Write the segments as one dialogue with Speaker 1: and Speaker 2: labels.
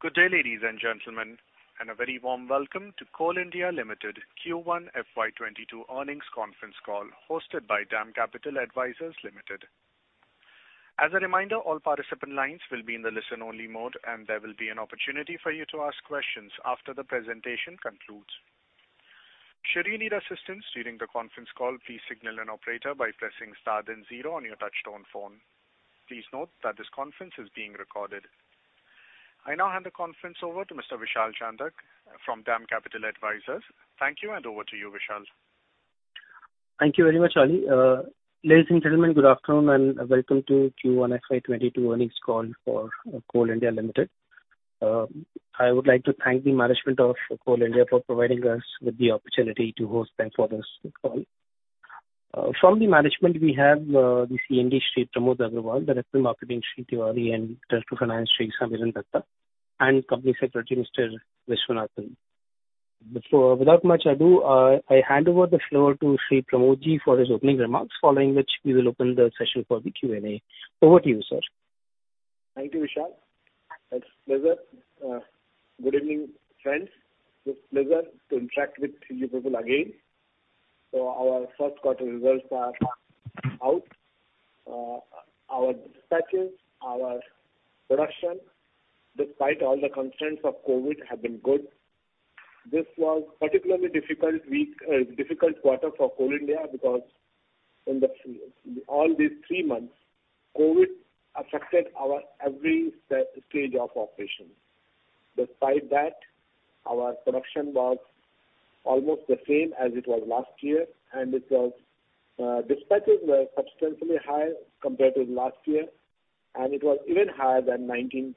Speaker 1: Good day, ladies and gentlemen, and a very warm welcome to Coal India Limited Q1 FY 2022 earnings conference call hosted by DAM Capital Advisors Limited. As a reminder, all participant lines will be in the listen-only mode, and there will be an opportunity for you to ask questions after the presentation concludes. Should you need assistance during the conference call, please signal an operator by pressing star then zero on your touchtone phone. Please note that this conference is being recorded. I now hand the conference over to Mr. Vishal Chandak from DAM Capital Advisors. Thank you, and over to you, Vishal.
Speaker 2: Thank you very much, Ali. Ladies and gentlemen, good afternoon, and welcome to Q1 FY 2022 earnings call for Coal India Limited. I would like to thank the management of Coal India for providing us with the opportunity to host them for this call. From the management, we have the CMD, Shri Pramod Agrawal, Director Marketing, Shri Tiwary, and Director Finance, Shri Samiran Dutta, and Company Secretary, Mr. Viswanathan. Without much ado, I hand over the floor to Shri Pramod for his opening remarks, following which we will open the session for the Q&A. Over to you, sir.
Speaker 3: Thank you, Vishal. It's a pleasure. Good evening, friends. It's a pleasure to interact with you people again. Our first quarter results are out. Our dispatches, our production, despite all the constraints of COVID, have been good. This was a particularly difficult quarter for Coal India, because in all these three months, COVID affected our every stage of operation. Despite that, our production was almost the same as it was last year, and dispatches were substantially higher compared to last year, and it was even higher than 19-20.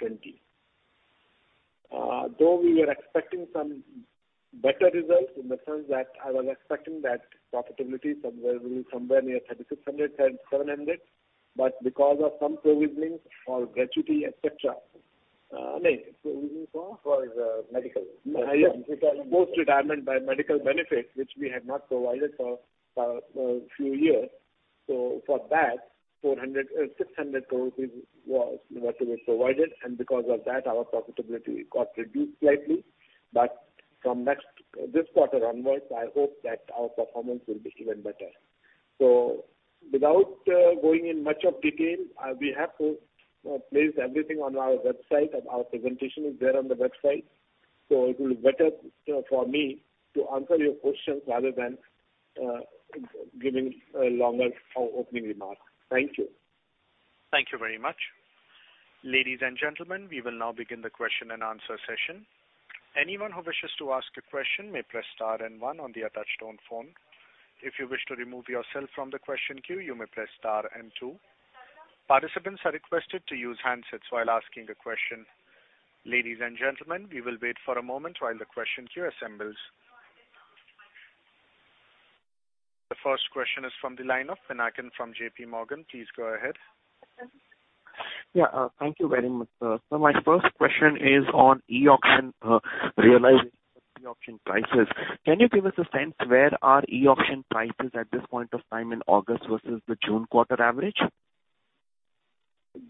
Speaker 3: We were expecting some better results in the sense that I was expecting that profitability somewhere near 3,600-3,700, but because of some provisioning for gratuity, et cetera. Provision for?
Speaker 4: For medical.
Speaker 3: Yes. Post-retirement medical benefits, which we had not provided for a few years. For that, 600 crore rupees was provided, and because of that, our profitability got reduced slightly. From this quarter onwards, I hope that our performance will be even better. Without going in much detail, we have to place everything on our website, and our presentation is there on the website. It will be better for me to answer your questions rather than giving a longer opening remark. Thank you.
Speaker 1: Thank you very much. Ladies and gentlemen, we will now begin the question and answer session. Anyone who wishes to ask a question may press star and one on their touchtone phone. If you wish to remove yourself from the question queue, you may press star and two. Participants are requested to use handsets while asking a question. Ladies and gentlemen, we will wait for a moment while the question queue assembles. The first question is from the line of Pinakin from JPMorgan. Please go ahead.
Speaker 5: Yeah. Thank you very much, sir. My first question is on e-auction, realization of e-auction prices. Can you give us a sense where are e-auction prices at this point of time in August versus the June quarter average?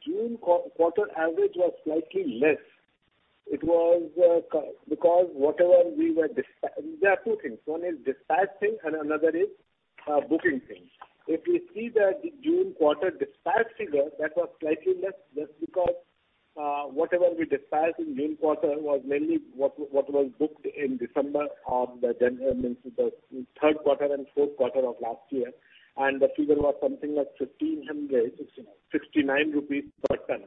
Speaker 3: June quarter average was slightly less. There are two things. One is dispatching, and another is booking things. If we see the June quarter dispatch figure, that was slightly less just because whatever we dispatched in June quarter was mainly what was booked in December of the third quarter and fourth quarter of last year, and the figure was something like 1,569 rupees per ton.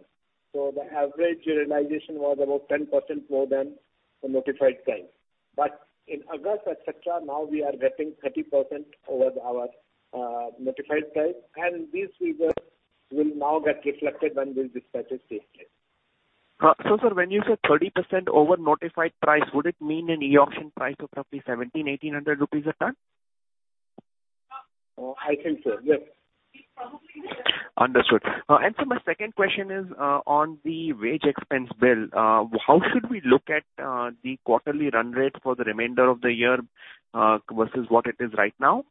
Speaker 3: The average realization was about 10% more than the notified price. In August, et cetera, now we are getting 30% over our notified price, and these figures will now get reflected when we will dispatch it safely.
Speaker 5: Sir, when you say 30% over notified price, would it mean an e-auction price of roughly 1,700, 1,800 rupees a ton?
Speaker 3: I think so, yes.
Speaker 5: Understood. Sir, my second question is on the wage expense bill. How should we look at the quarterly run rate for the remainder of the year versus what it is right now?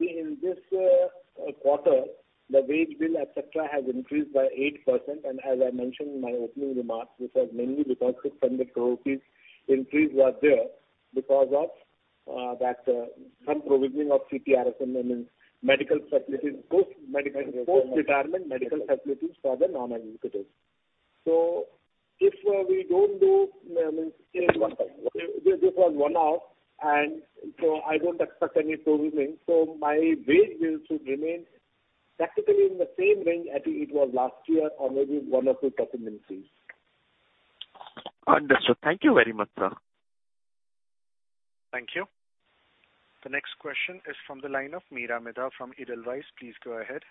Speaker 3: In this quarter, the wage bill, et cetera, has increased by 8%. As I mentioned in my opening remarks, which was mainly because 600 crore rupees increase was there because of some provisioning of CPRMSE, post-retirement medical facilities for the non-executives. This was one-off. I don't expect any provisioning. My wage bill should remain practically in the same range as it was last year, or maybe one or 2% increase.
Speaker 5: Understood. Thank you very much, sir.
Speaker 1: Thank you. The next question is from the line of Meera Midha from Edelweiss. Please go ahead.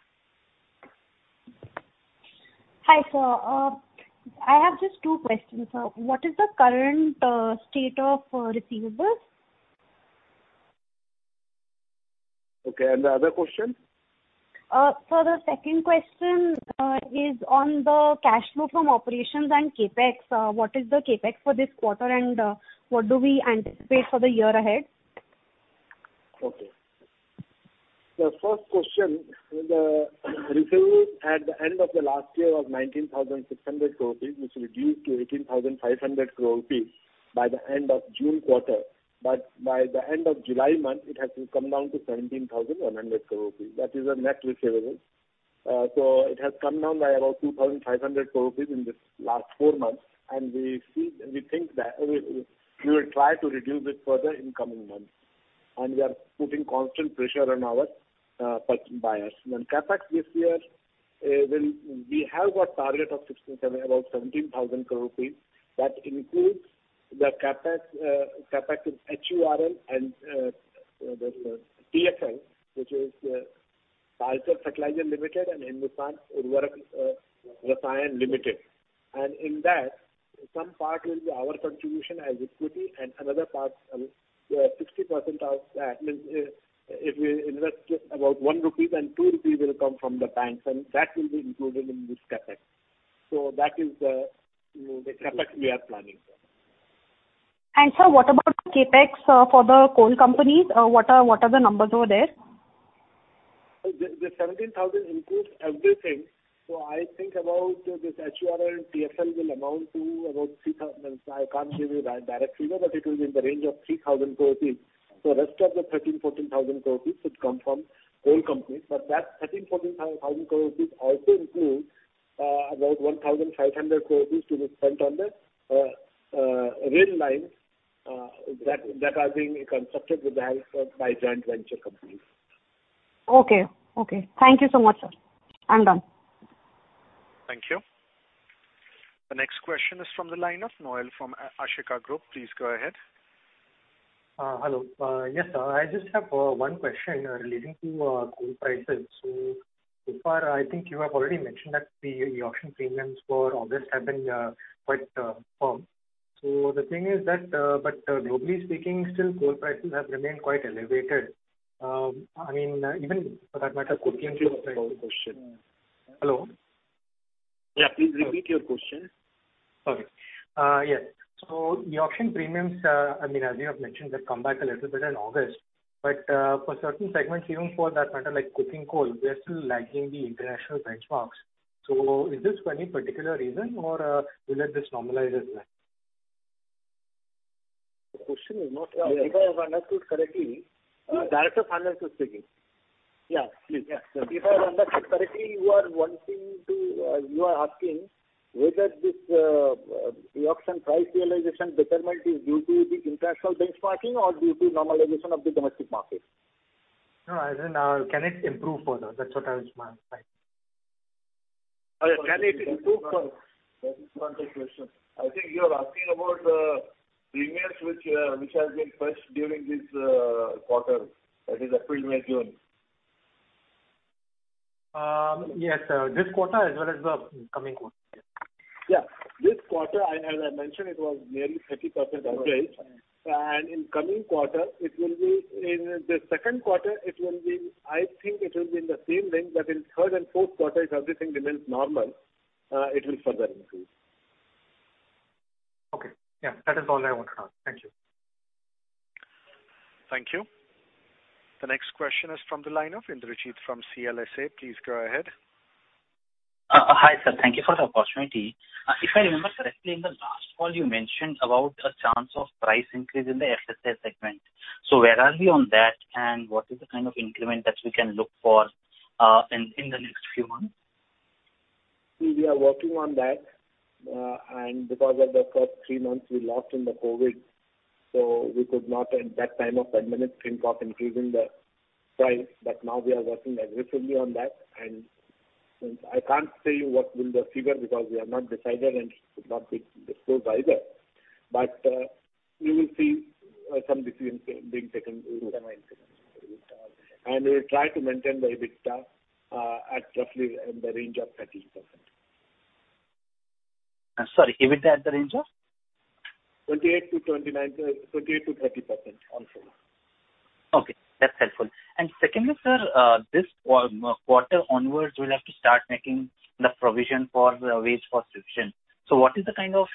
Speaker 6: Hi, sir. I have just two questions. What is the current state of receivables?
Speaker 3: Okay, the other question.
Speaker 6: Sir, the second question is on the cash flow from operations and CapEx. What is the CapEx for this quarter, and what do we anticipate for the year ahead?
Speaker 3: Okay. The first question, the receivables at the end of the last year was 19,600 crores rupees, which reduced to 18,500 crores rupees by the end of June quarter. By the end of July month, it has come down to 17,100 crores rupees. That is the net receivable. It has come down by out 2,500 crores rupees in these last four months, and we will try to reduce it further in coming months. We are putting constant pressure on our buyers. On CapEx this year, we have a target of about 17,000 crores rupees. That includes the CapEx in HURL and TFL, which is Talcher Fertilizers Limited and Hindustan Urvarak & Rasayan Limited. In that, some part will be our contribution as equity and another part, 60% of that, means if we invest about 1 rupee and 2 rupees will come from the banks, and that will be included in this CapEx. That is the CapEx we are planning for.
Speaker 6: Sir, what about the CapEx for the coal companies? What are the numbers over there?
Speaker 3: The 17,000 includes everything. I think about this HURL and TFL will amount to about, I can't give you the direct figure, but it will be in the range of 3,000 crores rupees. Rest of the 13,000-14,000 crores rupees should come from coal companies. That 13,000-14,000 crores rupees also includes about 1,500 crores rupees to be spent on the rail lines that are being constructed with the help of joint venture companies.
Speaker 6: Okay. Thank you so much, sir. I'm done.
Speaker 1: Thank you. The next question is from the line of Noel from Ashika Group. Please go ahead.
Speaker 7: Hello. Yes, I just have one question relating to coal prices. So far, I think you have already mentioned that the auction premiums for August have been quite firm. The thing is that, globally speaking, still coal prices have remained quite elevated. I mean, even for that matter, coking coal. Hello?
Speaker 3: Yeah, please repeat your question.
Speaker 7: Okay. Yes. The auction premiums, as you have mentioned, have come back a little bit in August. For certain segments, even for that matter, like coking coal, we are still lagging the international benchmarks. Is this for any particular reason, or will it just normalize as well?
Speaker 3: The question is not clear. If I have understood correctly.
Speaker 4: Director, Finance here speaking.
Speaker 7: Yeah, please.
Speaker 4: If I have understood correctly, you are asking whether this auction price realization betterment is due to the international benchmarking or due to normalization of the domestic market.
Speaker 7: No, as in, can it improve further? That's what I was trying to find.
Speaker 4: Can it improve further? That is not the question. I think you are asking about the premiums which have been fetched during this quarter. That is April, May, June.
Speaker 7: Yes, sir, this quarter as well as the coming quarter.
Speaker 3: Yeah. This quarter, as I mentioned, it was nearly 30% average. In coming quarter, in the second quarter I think it will be in the same range, but in third and fourth quarter, if everything remains normal, it will further improve.
Speaker 7: Okay. Yeah, that is all I wanted to ask. Thank you.
Speaker 1: Thank you. The next question is from the line of Indrajit from CLSA. Please go ahead.
Speaker 8: Hi, sir. Thank you for the opportunity. If I remember correctly, in the last call you mentioned about a chance of price increase in the FSA segment. Where are we on that, and what is the kind of increment that we can look for in the next few months?
Speaker 3: We are working on that. Because of the first three months we lost in the COVID, so we could not at that time of that minute think of increasing the price. Now we are working aggressively on that. Since I can't tell you what will be the figure because we have not decided and should not be disclosed either. You will see some decisions being taken soon. We will try to maintain the EBITDA at roughly in the range of 30%.
Speaker 8: Sorry, EBITDA at the range of?
Speaker 3: 28%-30%, also.
Speaker 8: Okay, that's helpful. Secondly, sir, this quarter onwards, we'll have to start making the provision for wage for attrition. What is the kind of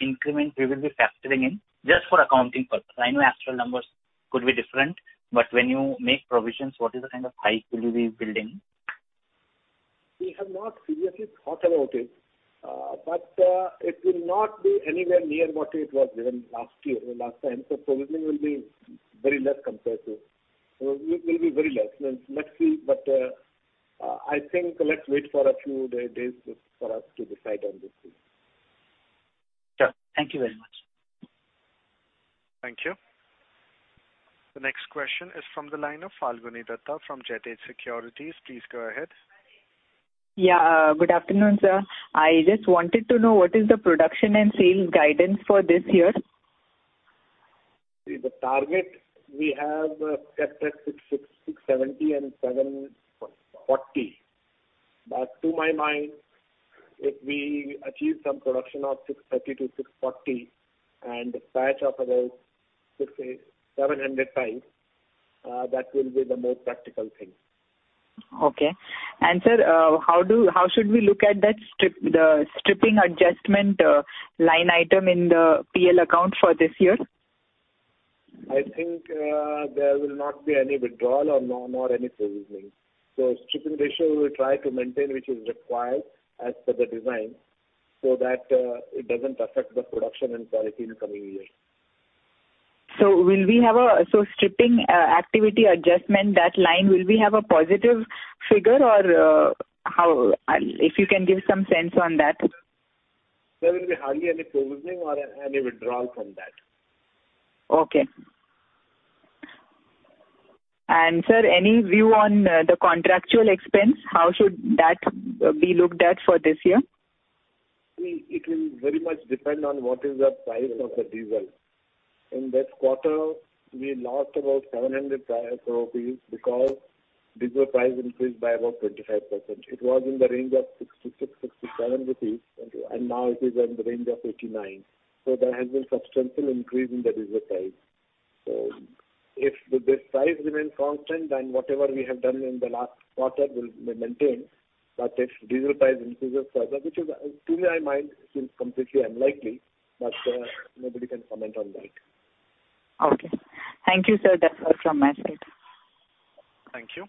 Speaker 8: increment we will be factoring in, just for accounting purpose? I know actual numbers could be different, but when you make provisions, what is the kind of hike will you be building?
Speaker 3: We have not seriously thought about it. It will not be anywhere near what it was during last year, last time. Provisioning will be very less. Let's see, but I think let's wait for a few days for us to decide on this thing.
Speaker 8: Sure. Thank you very much.
Speaker 1: Thank you. The next question is from the line of Falguni Dutta from Jet Age Securities. Please go ahead.
Speaker 9: Yeah, good afternoon, sir. I just wanted to know what is the production and sales guidance for this year?
Speaker 3: The target we have kept at 670 and 740. To my mind, if we achieve some production of 630-640, and a dispatch of about 600-700 pipes, that will be the most practical thing.
Speaker 9: Okay. Sir, how should we look at the stripping adjustment line item in the P&L account for this year?
Speaker 3: I think there will not be any withdrawal or any provisioning. Stripping ratio, we will try to maintain which is required as per the design, so that it doesn't affect the production and quality in the coming years.
Speaker 9: Stripping activity adjustment, that line, will we have a positive figure? If you can give some sense on that.
Speaker 3: There will be hardly any provisioning or any withdrawal from that.
Speaker 9: Okay. Sir, any view on the contractual expense? How should that be looked at for this year?
Speaker 3: It will very much depend on what is the price of the diesel. In this quarter, we lost about 700 crores rupees because diesel price increased by about 25%. It was in the range of 66, 67 rupees, and now it is in the range of 89. There has been substantial increase in the diesel price. If this price remains constant, then whatever we have done in the last quarter will maintain. If diesel price increases further, which to my mind seems completely unlikely, but nobody can comment on that.
Speaker 9: Okay. Thank you, sir. That's all from my side.
Speaker 1: Thank you.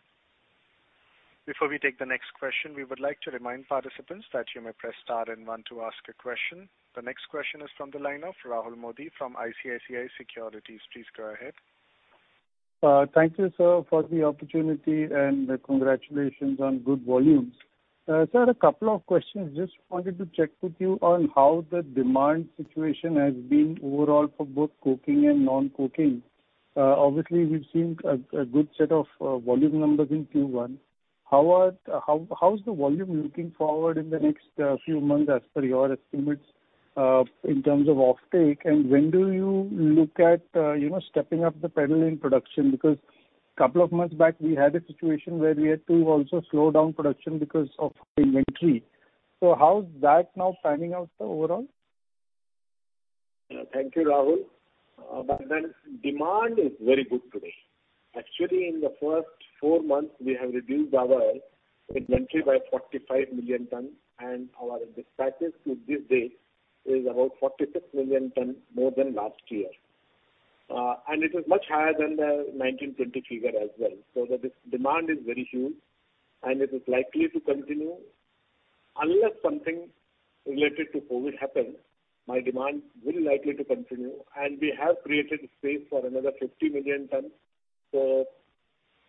Speaker 1: The next question is from the line of Rahul Modi from ICICI Securities. Please go ahead.
Speaker 10: Thank you, sir, for the opportunity, and congratulations on good volumes. Sir, a couple of questions. Just wanted to check with you on how the demand situation has been overall for both coking and non-coking. Obviously, we've seen a good set of volume numbers in Q1. How is the volume looking forward in the next few months as per your estimates in terms of offtake? When do you look at stepping up the pedal in production? Couple of months back, we had a situation where we had to also slow down production because of inventory. How's that now panning out, sir, overall?
Speaker 3: Thank you, Rahul. Demand is very good today. Actually, in the first four months, we have reduced our inventory by 45 million tonnes, and our dispatches till this date is about 46 million tonnes more than last year. It is much higher than the 2019-2020 figure as well. The demand is very huge, and it is likely to continue. Unless something related to COVID happens, our demand very likely to continue. We have created space for another 50 million tonnes.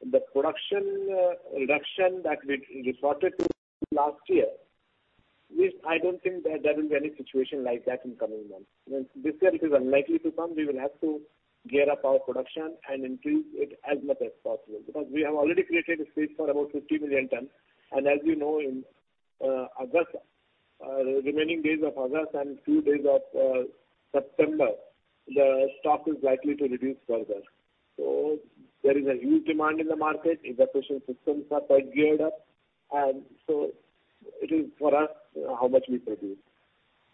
Speaker 3: The production reduction that we resorted to last year, I don't think there will be any situation like that in coming months. This year it is unlikely to come. We will have to gear up our production and increase it as much as possible, because we have already created a space for about 50 million tonnes. As you know, in remaining days of August and few days of September, the stock is likely to reduce further. There is a huge demand in the market. Infrastructure systems are quite geared up, and so it is for us how much we produce.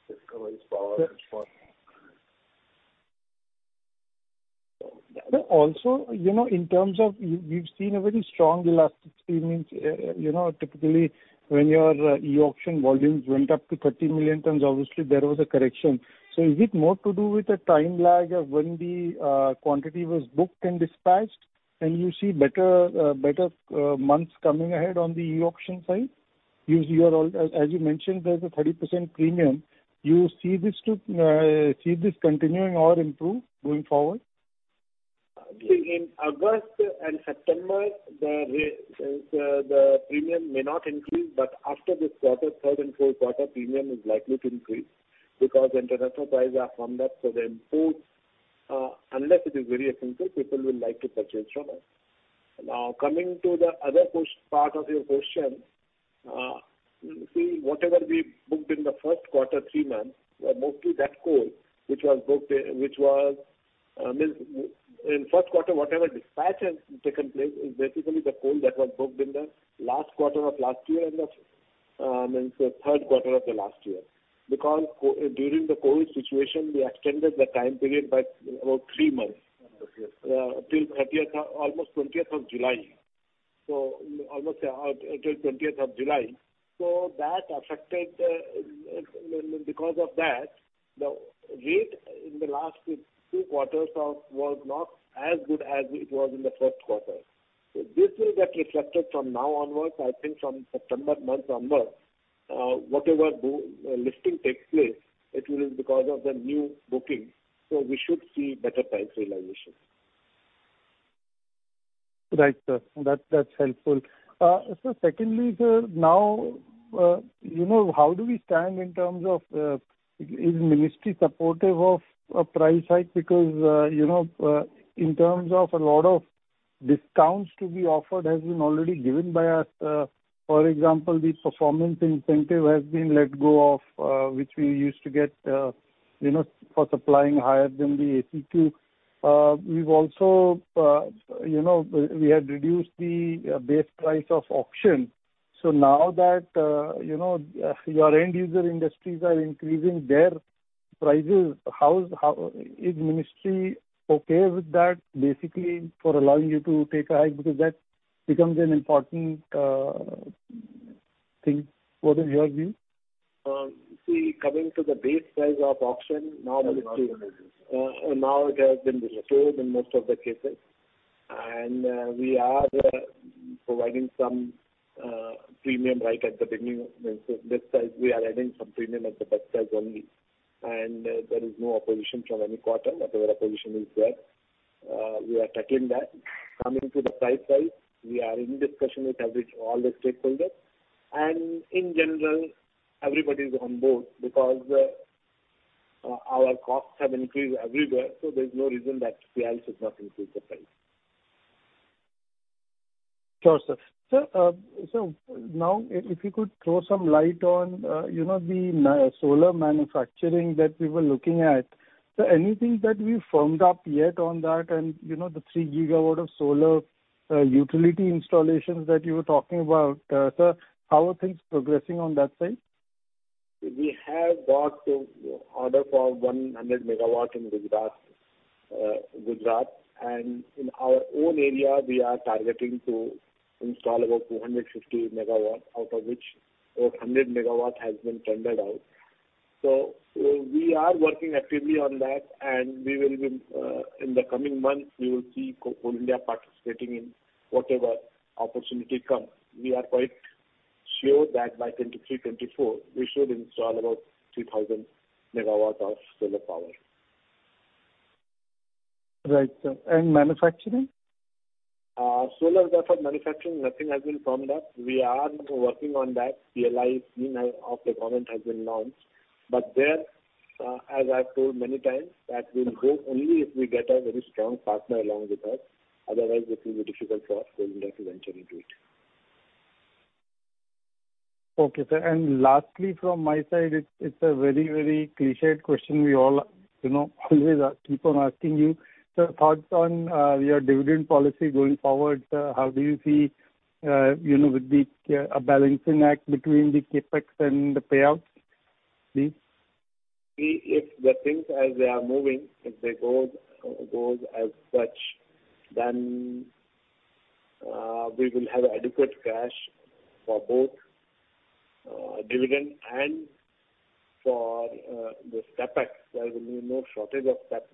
Speaker 3: It's always for us.
Speaker 10: In terms of we've seen a very strong elasticity means, typically when your e-auction volumes went up to 30 million tons, obviously there was a correction. Is it more to do with the time lag of when the quantity was booked and dispatched, and you see better months coming ahead on the e-auction side? As you mentioned, there's a 30% premium. You see this continuing or improve going forward?
Speaker 3: In August and September, the premium may not increase, but after this quarter, Q3 and Q4, premium is likely to increase because international prices are firming up. The imports, unless it is very expensive, people will like to purchase from us. Now, coming to the other part of your question. You see, whatever we booked in Q1, three months, mostly that coal, in Q1, whatever dispatch has taken place is basically the coal that was booked in Q4 of last year and Q3 of last year. Because during the COVID situation, we extended the time period by about three months. Till almost 20th of July. Almost till 20th of July. Because of that, the rate in the last two quarters was not as good as it was in the first quarter. This will get reflected from now onwards. I think from September month onwards, whatever lifting takes place, it will be because of the new booking, so we should see better price realization.
Speaker 10: Right, sir. That's helpful. Sir, secondly, now how do we stand in terms of is Ministry supportive of a price hike? In terms of a lot of discounts to be offered, has been already given by us. For example, the performance incentive has been let go of, which we used to get for supplying higher than the ACQ. We had reduced the base price of e-auction. Now that your end user industries are increasing their prices, is the Ministry okay with that, basically, for allowing you to take a hike? That becomes an important thing. What is your view?
Speaker 3: See, coming to the base price of auction, now it has been restored in most of the cases. We are providing some premium right at the beginning. We are adding some premium at the best price only, and there is no opposition from any quarter. Whatever opposition is there, we are tackling that. Coming to the price rise, we are in discussion with all the stakeholders. In general, everybody is on board because our costs have increased everywhere, so there's no reason that Coal India should not increase the price.
Speaker 10: Sure, sir. Sir, now, if you could throw some light on the solar manufacturing that we were looking at. Sir, anything that we've firmed up yet on that, and the 3 GW of solar utility installations that you were talking about. Sir, how are things progressing on that side?
Speaker 3: We have got the order for 100 MW in Gujarat. In our own area, we are targeting to install about 250 MW, out of which over 100 MW has been tendered out. We are working actively on that, and in the coming months we will see Coal India participating in whatever opportunity comes. We are quite sure that by 2023, 2024, we should install about 3,000 MW of solar power.
Speaker 10: Right, sir. Manufacturing?
Speaker 3: Solar manufacturing, nothing has been firmed up. We are working on that. PLI scheme of the government has been launched. There, as I've told many times, that will go only if we get a very strong partner along with us. Otherwise, it will be difficult for us, Coal India, to venture into it.
Speaker 10: Okay, sir. Lastly, from my side, it's a very clichéd question we all always keep on asking you. Sir, thoughts on your dividend policy going forward, sir. How do you see, with the balancing act between the CapEx and the payouts, please?
Speaker 3: If the things as they are moving, if they go as such, then we will have adequate cash for both dividend and for the CapEx. There will be no shortage of cash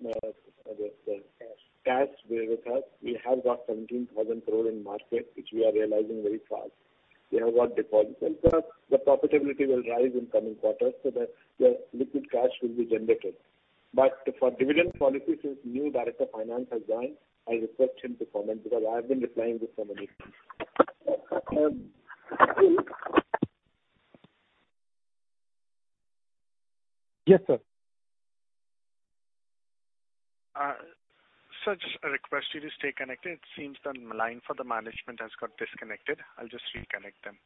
Speaker 3: with us. We have got 17,000 crore in the market, which we are realizing very fast. We have got deposits. Sir, the profitability will rise in coming quarters, so the liquid cash will be generated. For dividend policy, since new director of finance has joined, I request him to comment because I have been replying this for many months.
Speaker 10: Yes, sir.
Speaker 1: Sir, just a request. Could you stay connected? It seems the line for the management has got disconnected. I'll just reconnect them.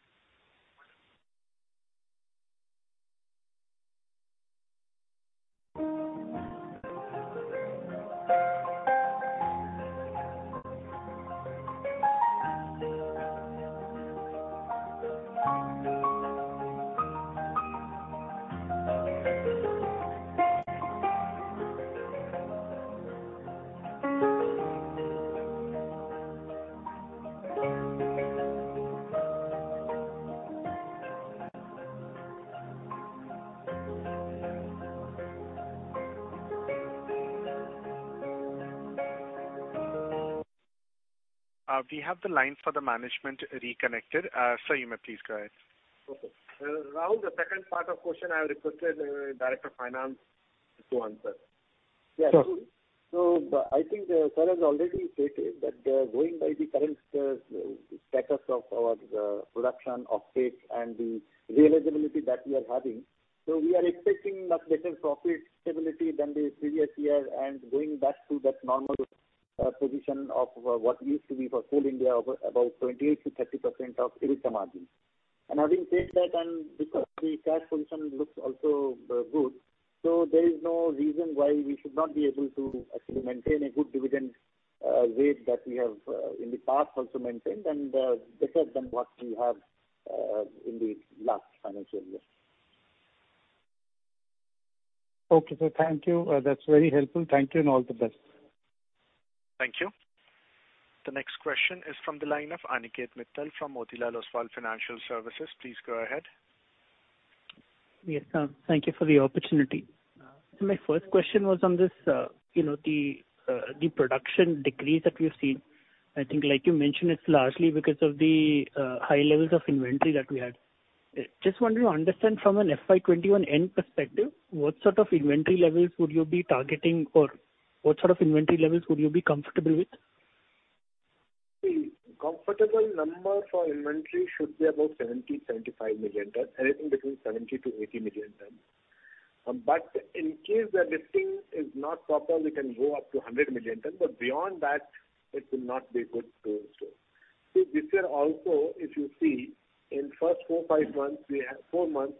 Speaker 1: We have the line for the management reconnected. Sir, you may please go ahead.
Speaker 3: Okay. Rahul, the second part of question, I have requested the Director of Finance to answer.
Speaker 10: Sure.
Speaker 4: Yeah, sure. I think Sir has already stated that going by the current status of our production of state and the realizability that we are having. We are expecting much better profit stability than the previous year, and going back to that normal position of what used to be for Coal India of about 28%-30% of EBITDA margins. Having said that, and because the cash position looks also good, there is no reason why we should not be able to actually maintain a good dividend rate that we have in the past also maintained, and better than what we have in the last financial year.
Speaker 10: Okay, sir. Thank you. That's very helpful. Thank you, and all the best.
Speaker 1: Thank you. The next question is from the line of Aniket Mittal from Motilal Oswal Financial Services. Please go ahead.
Speaker 11: Yes, thank you for the opportunity. My first question was on the production decrease that we've seen. I think, like you mentioned, it's largely because of the high levels of inventory that we had. Just wanted to understand from an FY 2021 end perspective, what sort of inventory levels would you be targeting, or what sort of inventory levels would you be comfortable with?
Speaker 3: The comfortable number for inventory should be about 70, 75 million tons. Anything between 70-80 million tons. In case the listing is not proper, we can go up to 100 million tons, but beyond that it will not be good to store. This year also, if you see, in first four months,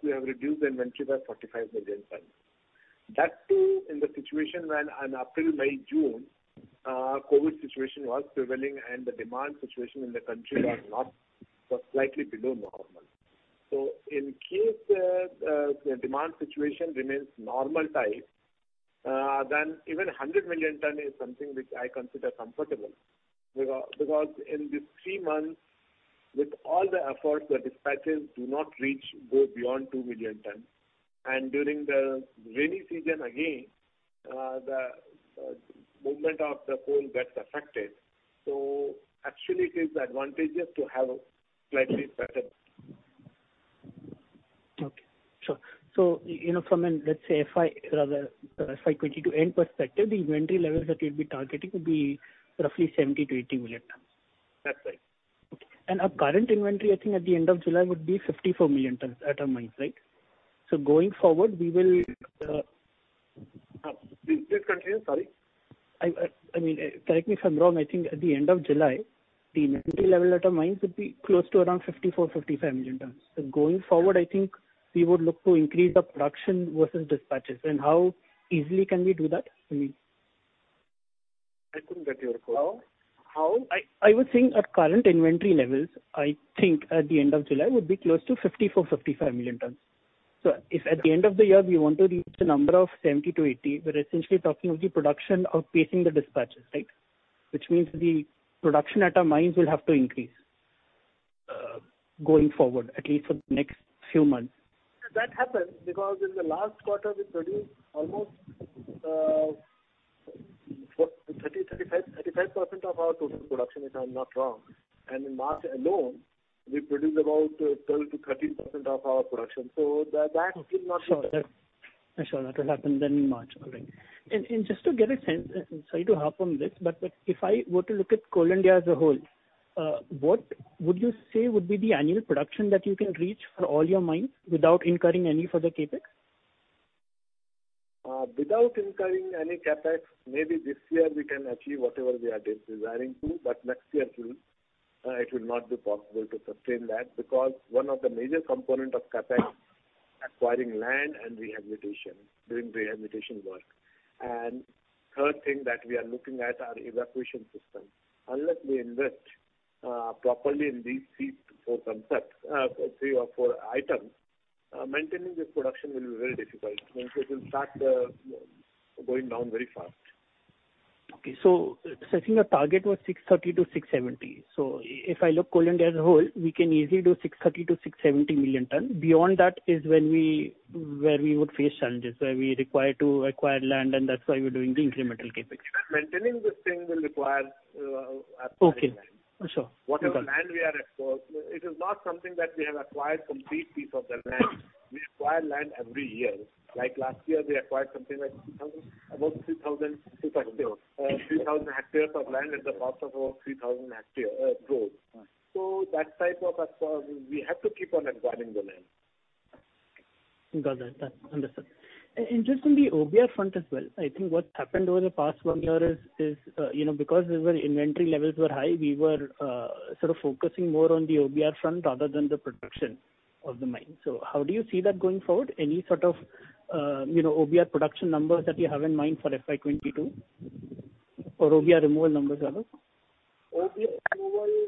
Speaker 3: we have reduced the inventory by 45 million tons. In the situation when on April, May, June, COVID situation was prevailing and the demand situation in the country was slightly below normal. In case the demand situation remains normal type, then even 100 million ton is something which I consider comfortable. Because in these three months, with all the efforts, the dispatches do not reach go beyond 2 million tons. During the rainy season again, the movement of the coal gets affected. Actually, it is advantageous to have slightly better.
Speaker 11: Okay. Sure. From an FY 2022 end perspective, the inventory levels that you'll be targeting will be roughly 70 million-80 million tons.
Speaker 3: That's right.
Speaker 11: Okay. Our current inventory, I think at the end of July would be 54 million tons at our mines, right?
Speaker 3: Please continue. Sorry.
Speaker 11: Correct me if I'm wrong, I think at the end of July, the inventory level at our mines would be close to around 54, 55 million tons. Going forward, I think we would look to increase the production versus dispatches. How easily can we do that?
Speaker 3: I couldn't get your call. How?
Speaker 11: I was saying our current inventory levels, I think at the end of July would be close to 54 million-55 million tons. If at the end of the year, we want to reach the number of 70 million-80 million, we're essentially talking of the production outpacing the dispatches. Right? Which means the production at our mines will have to increase, going forward at least for the next few months.
Speaker 3: That happens because in the last quarter, we produced almost 35% of our total production, if I'm not wrong. In March alone, we produced about 12%-13% of our production.
Speaker 11: Okay. Sure. That will happen in March. All right. Just to get a sense, and sorry to harp on this, but if I were to look at Coal India as a whole, what would you say would be the annual production that you can reach for all your mines without incurring any further CapEx?
Speaker 3: Without incurring any CapEx, maybe this year we can achieve whatever we are desiring to, but next year it will not be possible to sustain that because one of the major component of CapEx, acquiring land and doing rehabilitation work. Third thing that we are looking at are evacuation system. Unless we invest properly in these four concepts, three or four items, maintaining this production will be very difficult. It will start going down very fast.
Speaker 11: Okay. I think the target was 630 to 670. If I look Coal India as a whole, we can easily do 630 million to 670 million tons. Beyond that is where we would face challenges, where we require to acquire land, and that's why we're doing the incremental CapEx.
Speaker 3: Maintaining this thing will require acquiring land.
Speaker 11: Okay. Sure.
Speaker 3: Whatever land we acquire, it is not something that we have acquired complete piece of the land. We acquire land every year. Like last year, we acquired something like about 3,000 hectares of land at the cost of about 3,000 hectares gross. That type of acquire, we have to keep on acquiring the land.
Speaker 11: Got that. Understood. Just on the OBR front as well, I think what's happened over the past one year is, because our inventory levels were high, we were sort of focusing more on the OBR front rather than the production of the mine. How do you see that going forward? Any sort of OBR production numbers that you have in mind for FY 2022 or OBR removal numbers rather?
Speaker 3: OBR removal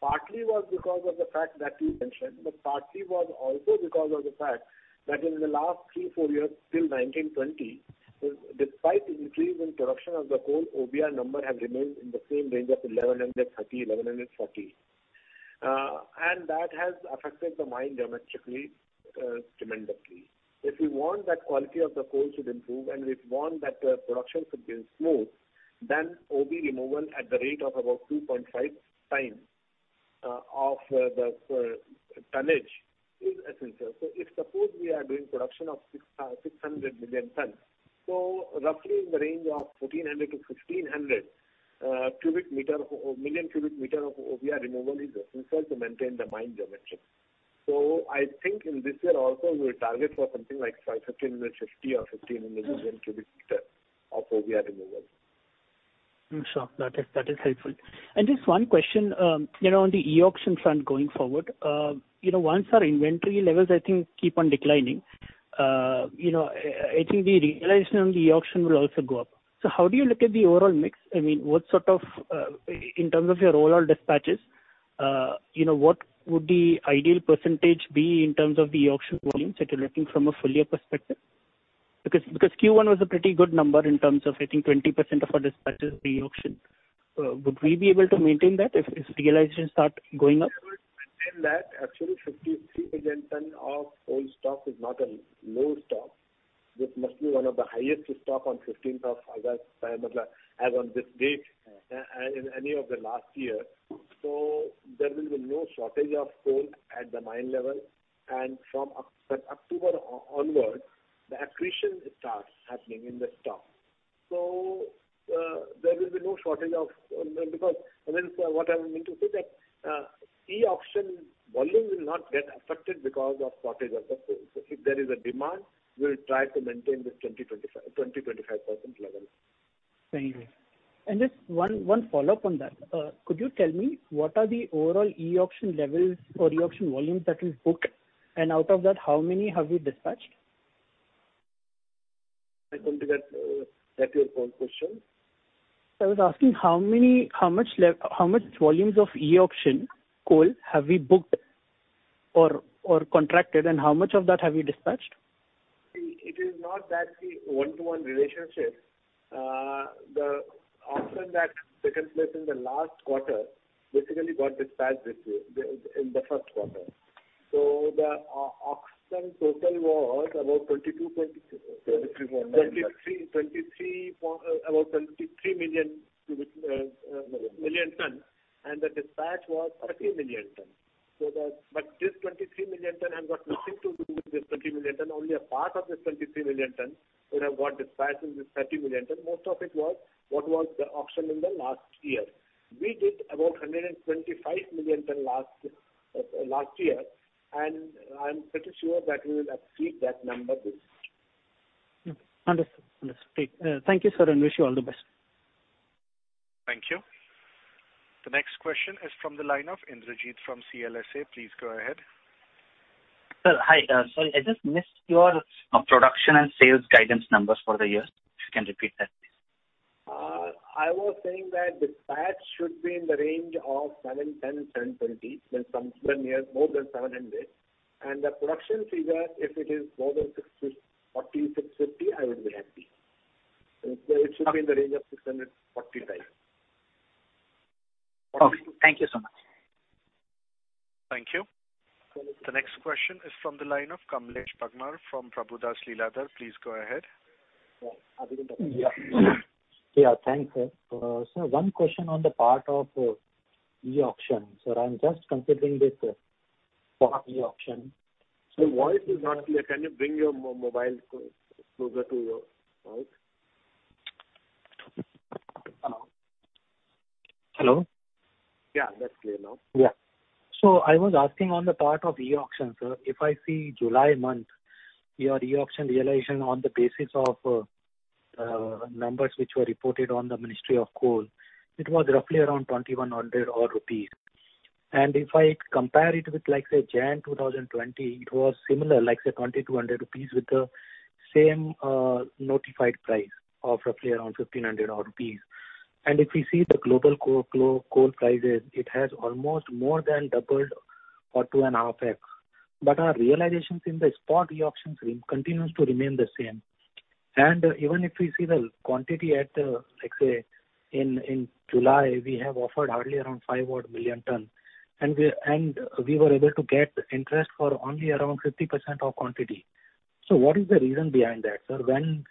Speaker 3: partly was because of the fact that you mentioned, but partly was also because of the fact that in the last three, four years till 2019-2020, despite increase in production of the coal, OBR number have remained in the same range of 1,130, 1,140. That has affected the mine geometry tremendously. If we want that quality of the coal should improve and we want that production should increase more, then OB removal at the rate of about 2.5x of the tonnage is essential. If suppose we are doing production of 600 million tons, roughly in the range of 1,400-1,500 million cubic meter of OBR removal is essential to maintain the mine geometry. I think in this year also, we will target for something like 1,550 or 1,500 million cubic meter of OBR removal.
Speaker 11: Sure. That is helpful. Just one question, on the e-auction front going forward. Once our inventory levels, I think, keep on declining, I think the realization on the e-auction will also go up. How do you look at the overall mix? In terms of your overall dispatches, what would the ideal percentage be in terms of the e-auction volumes that you're looking from a full year perspective? Q1 was a pretty good number in terms of, I think 20% of our dispatches e-auction. Would we be able to maintain that if realization start going up?
Speaker 3: We would maintain that. Actually, 53 million ton of coal stock is not a low stock. This must be one of the highest stock on 15th of August, as on this date in any of the last year. There will be no shortage of coal at the mine level, and from October onward, the accretion starts happening in the stock. There will be no shortage. What I mean to say that e-auction volume will not get affected because of shortage of the coal. If there is a demand, we will try to maintain this 20%-25% level.
Speaker 11: Thank you. Just one follow-up on that. Could you tell me what are the overall e-auction levels or e-auction volumes that you've booked, and out of that, how many have you dispatched?
Speaker 3: I don't get that your whole question.
Speaker 11: Sir, I was asking how much volumes of e-auction coal have we booked or contracted, and how much of that have you dispatched?
Speaker 3: It is not that one-to-one relationship. The auction that took place in the last quarter basically got dispatched in the first quarter. The auction total was about 23 million tons, and the dispatch was 30 million tons. This 23 million tons has got nothing to do with this 30 million tons. Only a part of this 23 million tons would have got dispatched in this 30 million tons. Most of it was what was the auction in the last year. We did about 125 million tons last year, and I'm pretty sure that we will exceed that number this year.
Speaker 11: Understood. Thank you, sir, and wish you all the best.
Speaker 1: Thank you. The next question is from the line of Indrajit from CLSA. Please go ahead.
Speaker 8: Sir. Hi. Sorry, I just missed your production and sales guidance numbers for the year. If you can repeat that, please.
Speaker 3: I was saying that dispatch should be in the range of 710, 720, more than 700. The production figure, if it is more than 640, 650, I would be happy. It should be in the range of 645.
Speaker 8: Okay. Thank you so much.
Speaker 1: Thank you. The next question is from the line of Kamlesh Bagmar from Prabhudas Lilladher. Please go ahead.
Speaker 12: Yeah. Thanks, sir. Sir, one question on the part of e-auction. Sir, I'm just considering the spot e-auction.
Speaker 3: Your voice is not clear. Can you bring your mobile closer to your mouth?
Speaker 12: Hello.
Speaker 3: Yeah, that's clear now.
Speaker 12: I was asking on the part of e-auction, sir. If I see July, your e-auction realization on the basis of numbers which were reported on the Ministry of Coal, it was roughly around 2,100 rupees odd. If I compare it with January 2020, it was similar, 2,200 rupees with the same notified price of roughly around 1,500 rupees odd. If we see the global coal prices, it has almost more than doubled or 2.5x. Our realizations in the spot e-auction stream continues to remain the same. Even if we see the quantity at, in July, we have offered hardly around 5 odd million tons, and we were able to get interest for only around 50% of quantity. What is the reason behind that, sir? When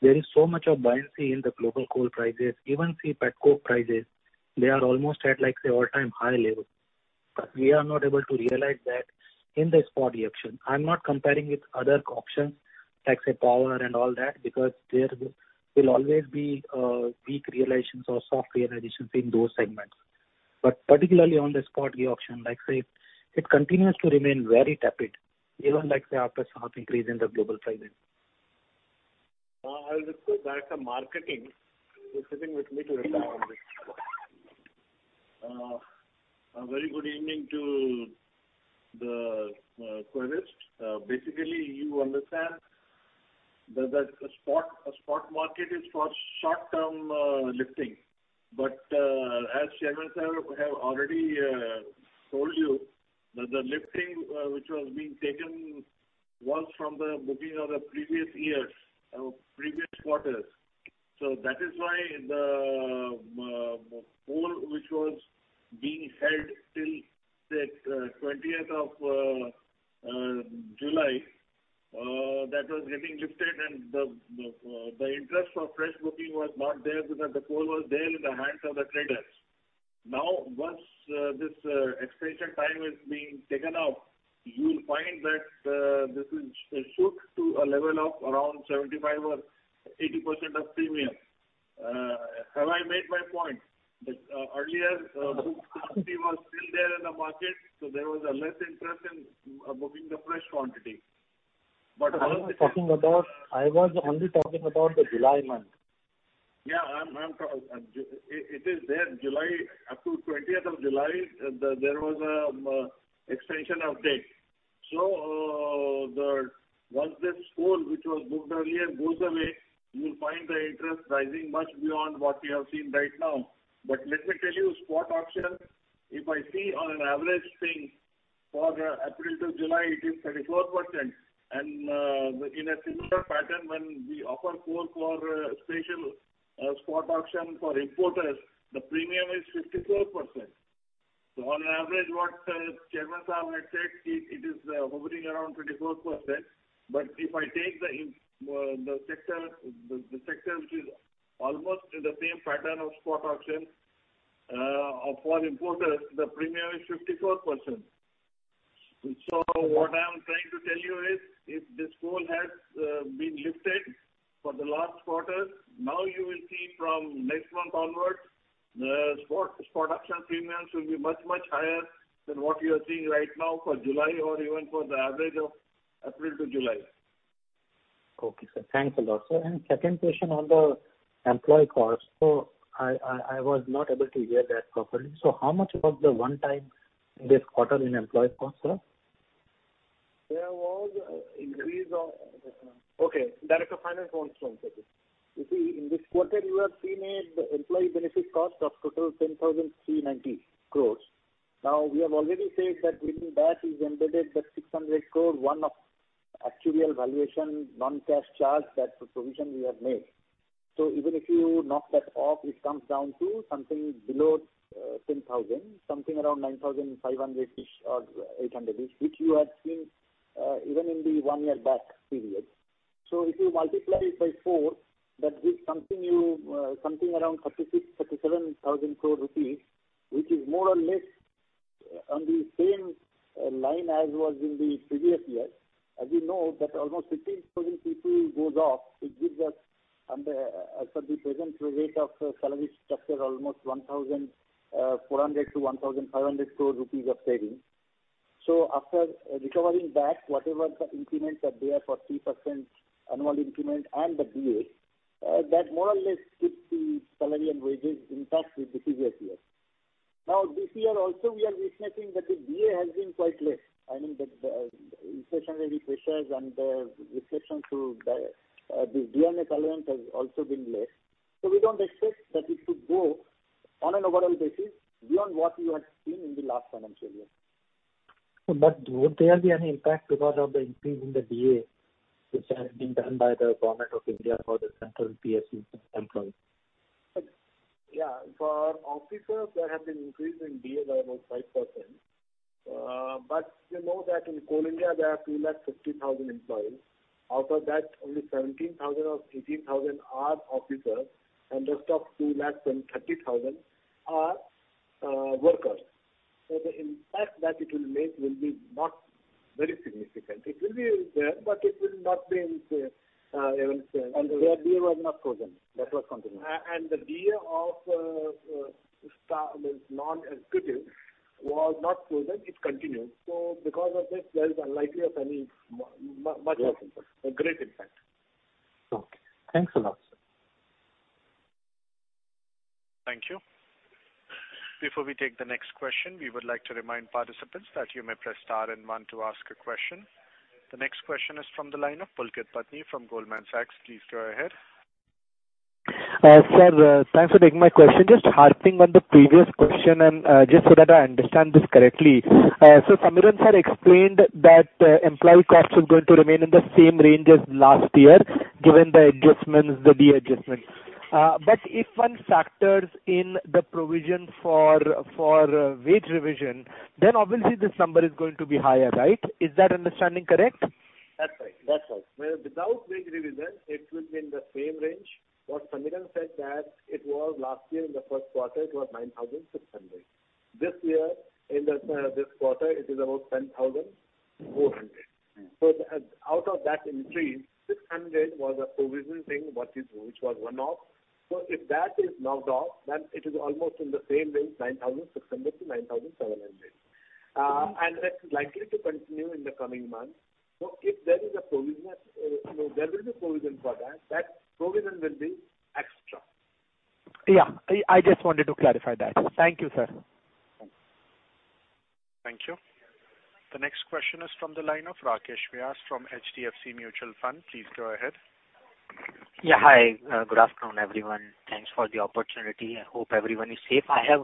Speaker 12: there is so much of buoyancy in the global coal prices, even pet coke prices, they are almost at, like say, all-time high level. We are not able to realize that in the spot e-auction. I'm not comparing it other auctions, like say, power and all that, because there will always be weak realizations or soft realizations in those segments. Particularly on the spot e-auction, like say, it continues to remain very tepid, even like say, after a sharp increase in the global prices.
Speaker 3: I'll refer back to marketing, who's sitting with me to reply on this.
Speaker 13: A very good evening to the querist. You understand that a spot market is for short-term lifting. As Chairman Sahab have already told you, that the lifting which was being taken was from the booking of the previous years or previous quarters. That is why the coal which was being held till the 20th of July, that was getting lifted, and the interest for fresh booking was not there because the coal was there in the hands of the traders. Once this extension time is being taken out, you will find that this will shoot to a level of around 75% or 80% of premium. Have I made my point? That earlier booked quantity was still there in the market, so there was a less interest in booking the fresh quantity.
Speaker 12: I was only talking about the July month.
Speaker 13: Yeah. It is there. Up to 20th of July, there was an extension of date. Once this coal which was booked earlier goes away, you will find the interest rising much beyond what you have seen right now. Let me tell you, spot auction, if I see on an average thing for April to July, it is 34%. In a similar pattern, when we offer coal for special spot auction for importers, the premium is 54%. On average, what Chairman Sahab had said, it is hovering around 34%. If I take the sector which is almost in the same pattern of spot auction, for importers, the premium is 54%. What I'm trying to tell you is, if this coal has been lifted for the last quarter, now you will see from next month onwards, the spot auction premiums will be much, much higher than what you are seeing right now for July or even for the average of April to July.
Speaker 12: Okay, sir. Thanks a lot, sir. Second question on the employee cost. I was not able to hear that properly. How much was the one time this quarter in employee cost, sir?
Speaker 3: There was an increase of. Okay. Director Finance wants to answer this.
Speaker 4: You see, in this quarter, you have seen an employee benefit cost of total 10,390 crore. We have already said that within that is embedded that 600 crore, one of actuarial valuation, non-cash charge, that provision we have made. Even if you knock that off, it comes down to something below 10,000, something around 9,500-ish or 800-ish, which you had seen even in the one year back period. If you multiply it by four, that gives something around 36,000-37,000 crore rupees, which is more or less on the same line as was in the previous year. As you know that almost 15,000 people goes off. It gives us, as per the present rate of salary structure, almost 1,400-1,500 crore rupees of saving. After recovering that, whatever the increments are there for 3% annual increment and the DA, that more or less keeps the salary and wages in intact with the previous year. This year also, we are witnessing that the DA has been quite less. I mean, the inflationary pressures and the reflection through this dearness allowance has also been less. We don't expect that it should go on an overall basis beyond what you had seen in the last financial year.
Speaker 12: Would there be any impact because of the increase in the DA, which has been done by the Government of India for the central PSU employees?
Speaker 4: Yeah. For officers, there has been increase in DA by about 5%. You know that in Coal India, there are 250,000 employees. Out of that, only 17,000 or 18,000 are officers, and rest of 230,000 are workers. The impact that it will make will be not very significant. It will be there.
Speaker 3: Their DA was not frozen. That was continued.
Speaker 4: The DA of non-executive was not frozen. It continued. Because of this, there is unlikely of any much of a great impact.
Speaker 12: Okay. Thanks a lot.
Speaker 1: Thank you. Before we take the next question, we would like to remind participants that you may press star and one to ask a question. The next question is from the line of Pulkit Patni from Goldman Sachs. Please go ahead.
Speaker 14: Sir, thanks for taking my question. Just harping on the previous question, just so that I understand this correctly. Samiran Sir explained that employee cost is going to remain in the same range as last year, given the adjustments, the DA adjustments. If one factors in the provision for wage revision, obviously this number is going to be higher, right? Is that understanding correct?
Speaker 3: That's right. Without wage revision, it will be in the same range. What Samiran said that it was last year in the first quarter, it was 9,600. This year in this quarter, it is about 10,400. Out of that increase, 600 was a provision thing, which was one-off. If that is knocked off, it is almost in the same range, 9,600-9,700. That's likely to continue in the coming months. If there is a provision, there will be provision for that. That provision will be extra.
Speaker 14: Yeah. I just wanted to clarify that. Thank you, sir.
Speaker 3: Thanks.
Speaker 1: Thank you. The next question is from the line of Rakesh Vyas from HDFC Mutual Fund. Please go ahead.
Speaker 15: Yeah, hi. Good afternoon, everyone. Thanks for the opportunity. I hope everyone is safe. I have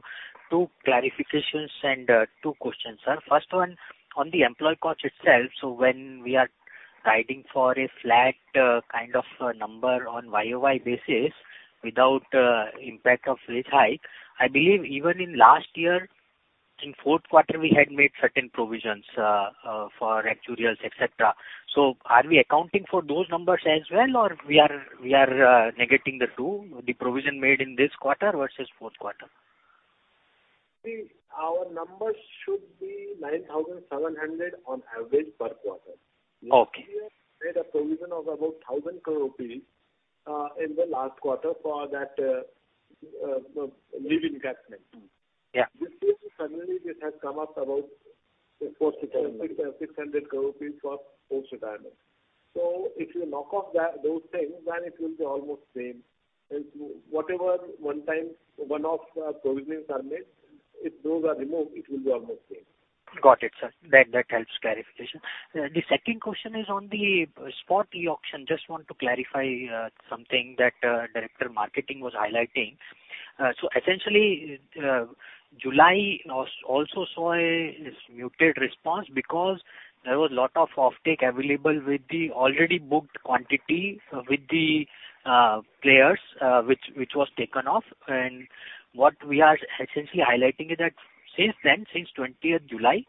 Speaker 15: two clarifications and two questions, sir. First one, on the employee cost itself. When we are guiding for a flat kind of number on YoY basis without impact of wage hike. I believe even in last year, in fourth quarter, we had made certain provisions for actuarials, et cetera. Are we accounting for those numbers as well, or we are negating the two, the provision made in this quarter versus fourth quarter?
Speaker 3: See, our numbers should be 9,700 on average per quarter.
Speaker 15: Okay.
Speaker 3: Last year, we made a provision of about 1,000 crore rupees in the last quarter for that leave encashment.
Speaker 15: Yeah.
Speaker 3: This year, suddenly it has come up about 600 crore rupees for post-retirement. If you knock off those things, it will be almost same. Whatever one-off provisions are made, if those are removed, it will be almost same.
Speaker 15: Got it, sir. That helps, clarification. The second question is on the spot e-auction. Just want to clarify something that Director Marketing was highlighting. Essentially, July also saw a muted response because there was lot of offtake available with the already booked quantity with the players, which was taken off. What we are essentially highlighting is that since then, since 20th July,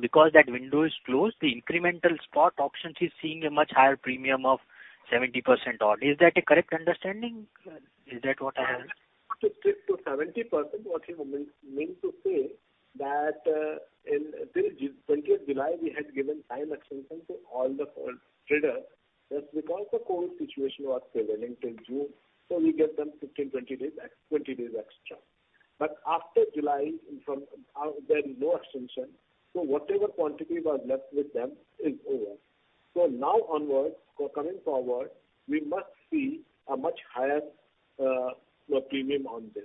Speaker 15: because that window is closed, the incremental spot auctions is seeing a much higher premium of 70% odd. Is that a correct understanding, sir? Is that what I heard?
Speaker 3: 70%, what you mean to say, that till 20th July, we had given time extension to all the coal trader just because the COVID situation was prevailing till June, so we gave them 15, 20 days extra. After July, there is no extension, so whatever quantity was left with them is over. Now onwards, for coming forward, we must see a much higher premium on this.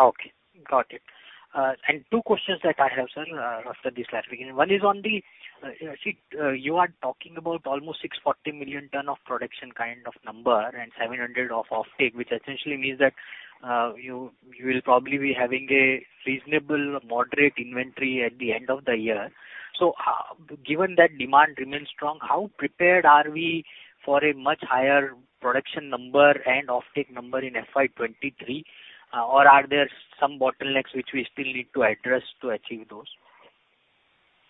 Speaker 15: Okay, got it. Two questions that I have, sir after this last beginning. One is on the, you are talking about almost 640 million tons of production kind of number and 700 of offtake, which essentially means that you will probably be having a reasonable moderate inventory at the end of the year. Given that demand remains strong, how prepared are we for a much higher production number and offtake number in FY23? Are there some bottlenecks which we still need to address to achieve those?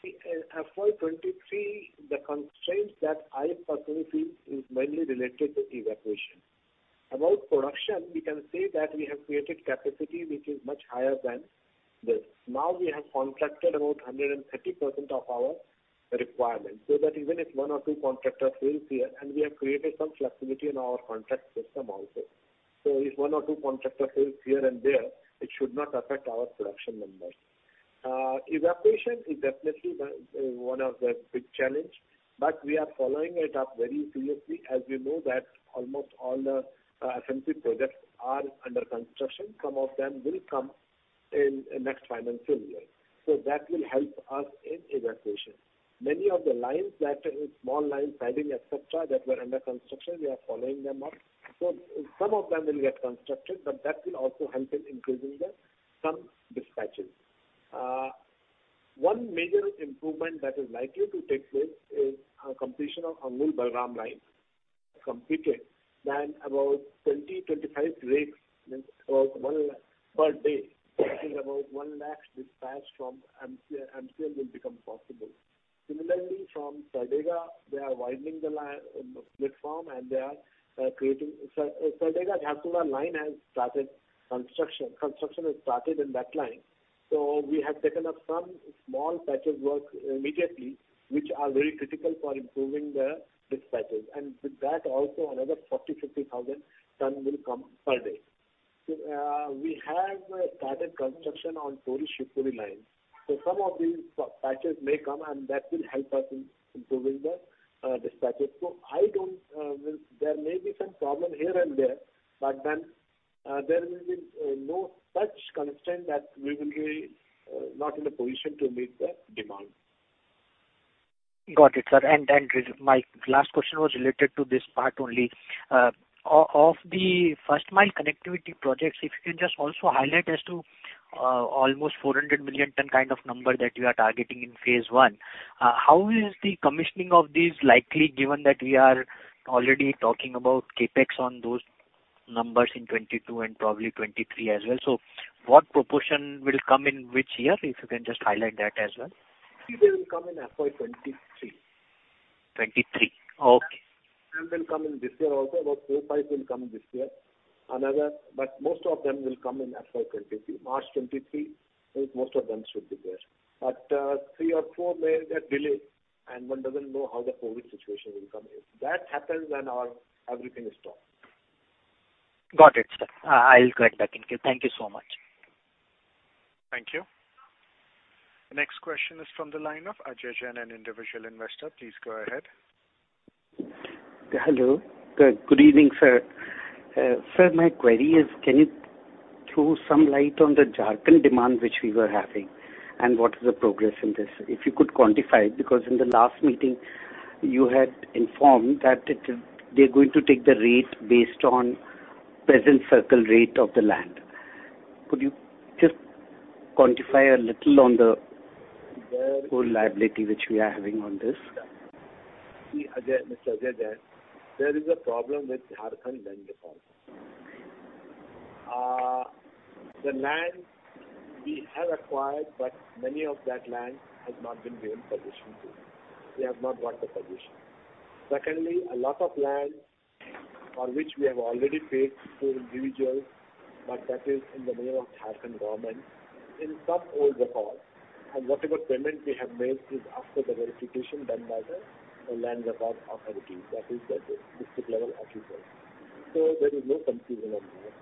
Speaker 3: FY 2023, the constraint that I personally feel is mainly related to evacuation. About production, we can say that we have created capacity which is much higher than this. We have contracted about 130% of our requirement. That even if one or two contractors fails here, we have created some flexibility in our contract system also. If one or two contractor fails here and there, it should not affect our production numbers. Evacuation is definitely one of the big challenge, we are following it up very seriously as we know that almost all the FMC projects are under construction. Some of them will come in next financial year. That will help us in evacuation. Many of the lines that is small line, sidings, etc., that were under construction, we are following them up. Some of them will get constructed, but that will also help in increasing the some dispatches. One major improvement that is likely to take place is completion of Angul-Balram line completed. About 20-25 rakes means about INR 1 lakh per day. That is about 100,000 dispatch from MCL will become possible. From Sardega, they are widening the platform, and they are creating Sardega-Jharsuguda line has started construction. Construction has started in that line. We have taken up some small patches work immediately, which are very critical for improving the dispatches. With that also, another 40,000-50,000 tons will come per day. We have started construction on Tori-Shivpur line. Some of these patches may come, and that will help us in improving the dispatches. There may be some problem here and there, but then there will be no such constraint that we will be not in a position to meet the demand.
Speaker 15: Got it, sir. My last question was related to this part only. Of the first mile connectivity projects, if you can just also highlight as to almost 400 million tons kind of number that you are targeting in phase one. How is the commissioning of these likely given that we are already talking about CapEx on those numbers in 2022 and probably 2023 as well. What proportion will come in which year? If you can just highlight that as well.
Speaker 3: They will come in FY 2023.
Speaker 15: 2023. Okay.
Speaker 3: Some will come in this year also. About four to five will come this year. Most of them will come in FY23. March 2023, most of them should be there. Three of four may get delayed, and one doesn't know how the COVID situation will come in. That happens when our everything is stopped.
Speaker 15: Got it, sir. I'll get back in queue. Thank you so much.
Speaker 1: Thank you. Next question is from the line of Ajay Jain, an individual investor. Please go ahead.
Speaker 16: Hello. Good evening, sir. Sir, my query is, can you throw some light on the Jharkhand demand which we were having, and what is the progress in this? If you could quantify it, because in the last meeting, you had informed that they're going to take the rate based on present circle rate of the land. Could you just quantify a little on the whole liability which we are having on this?
Speaker 3: Mr. Ajay Jain, there is a problem with Jharkhand land records. The land we have acquired, but many of that land has not been given possession to. We have not got the possession. Secondly, a lot of land for which we have already paid to individuals, but that is in the name of Jharkhand government in some old records, and whatever payment we have made is after the verification done by the land record authorities. That is the district level officer. There is no confusion on that.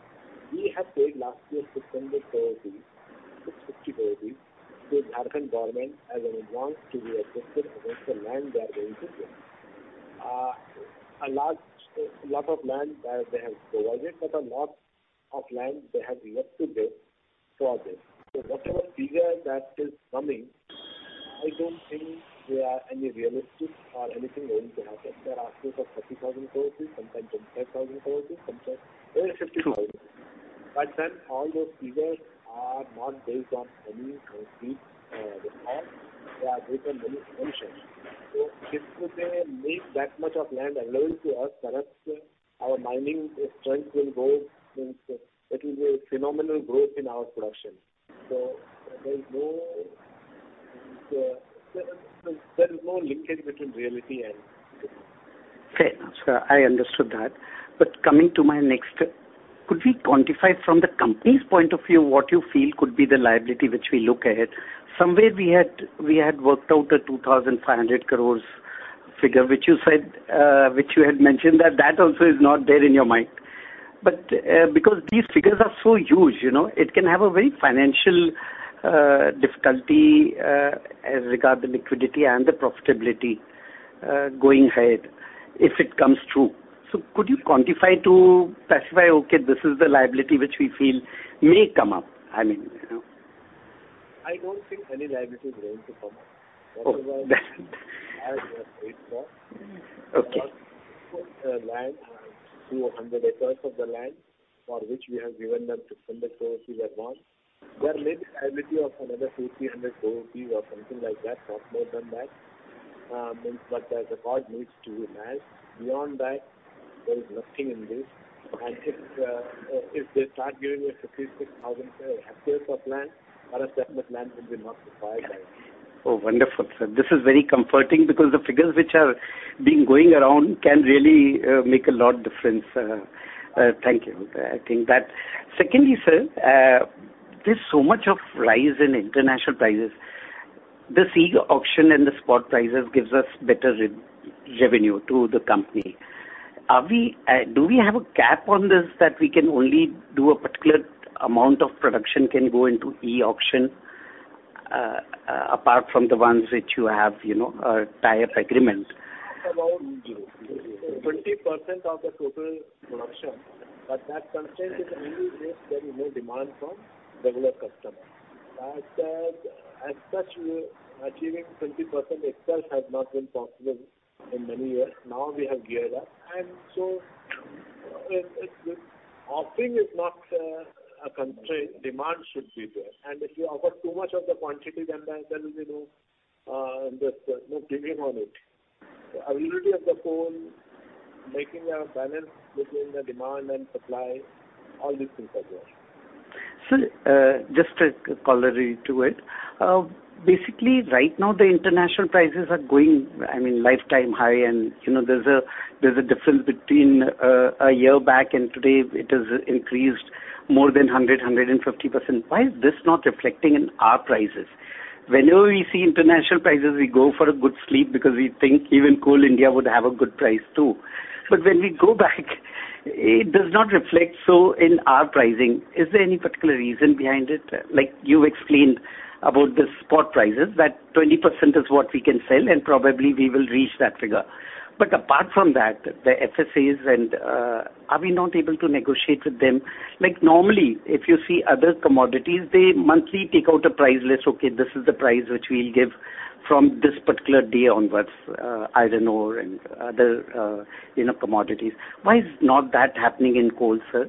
Speaker 3: We have paid last year, 600 crore, 650 crore to Jharkhand government as an advance to be adjusted against the land they are going to give. A lot of land they have provided, but a lot of land they have yet to give to us. Whatever figure that is coming, I don't think they are any realistic or anything going to happen. They're asking for 30,000 crore, sometimes 25,000 crore, sometimes even 50,000 crore. All those figures are not based on any complete record. They are based on many assumptions. If they make that much of land available to us, trust our mining strength will go. It will be a phenomenal growth in our production. There is no linkage between reality and this.
Speaker 16: Fair enough, sir. I understood that. Coming to my next, could we quantify from the company's point of view what you feel could be the liability which we look ahead? Somewhere we had worked out an 2,500 crore figure, which you had mentioned that also is not there in your mind. Because these figures are so huge, it can have a very financial difficulty, as regard the liquidity and the profitability going ahead if it comes true. Could you quantify to specify, okay, this is the liability which we feel may come up?
Speaker 3: I don't think any liability is going to come up.
Speaker 16: Okay.
Speaker 3: Whatsoever land, 200 acres of the land for which we have given them INR 600 crores, we were wrong. There may be a liability of another 50-100 crores or something like that, not more than that. The court needs to rule as beyond that, there is nothing in this. If they start giving us 56,000 acres of land or a segment land will be notified.
Speaker 16: Oh, wonderful, sir. This is very comforting because the figures which have been going around can really make a lot difference. Thank you. I think that. Secondly, sir, there's so much of rise in international prices. This e-auction and the spot prices gives us better revenue to the company. Do we have a cap on this that we can only do a particular amount of production can go into e-auction, apart from the ones which you have a tie-up agreement?
Speaker 3: About 20% of the total production, that constraint is only if there is no demand from regular customers. As such, achieving 20% itself has not been possible in many years. Now we have geared up, offering is not a constraint. Demand should be there. If you offer too much of the quantity, then there will be no giving on it. Availability of the coal, making a balance between the demand and supply, all these things are there.
Speaker 16: Sir, just a corollary to it. Basically right now the international prices are going, I mean, lifetime high and there's a difference between a year back and today, it has increased more than 100%, 150%. Why is this not reflecting in our prices? Whenever we see international prices, we go for a good sleep because we think even Coal India would have a good price too. When we go back, it does not reflect so in our pricing. Is there any particular reason behind it? Like you explained about the spot prices, that 20% is what we can sell, and probably we will reach that figure. Apart from that, the FSAs and are we not able to negotiate with them? Like normally, if you see other commodities, they monthly take out a price list. Okay, this is the price which we'll give from this particular day onwards, iron ore and other commodities. Why is not that happening in Coal, sir?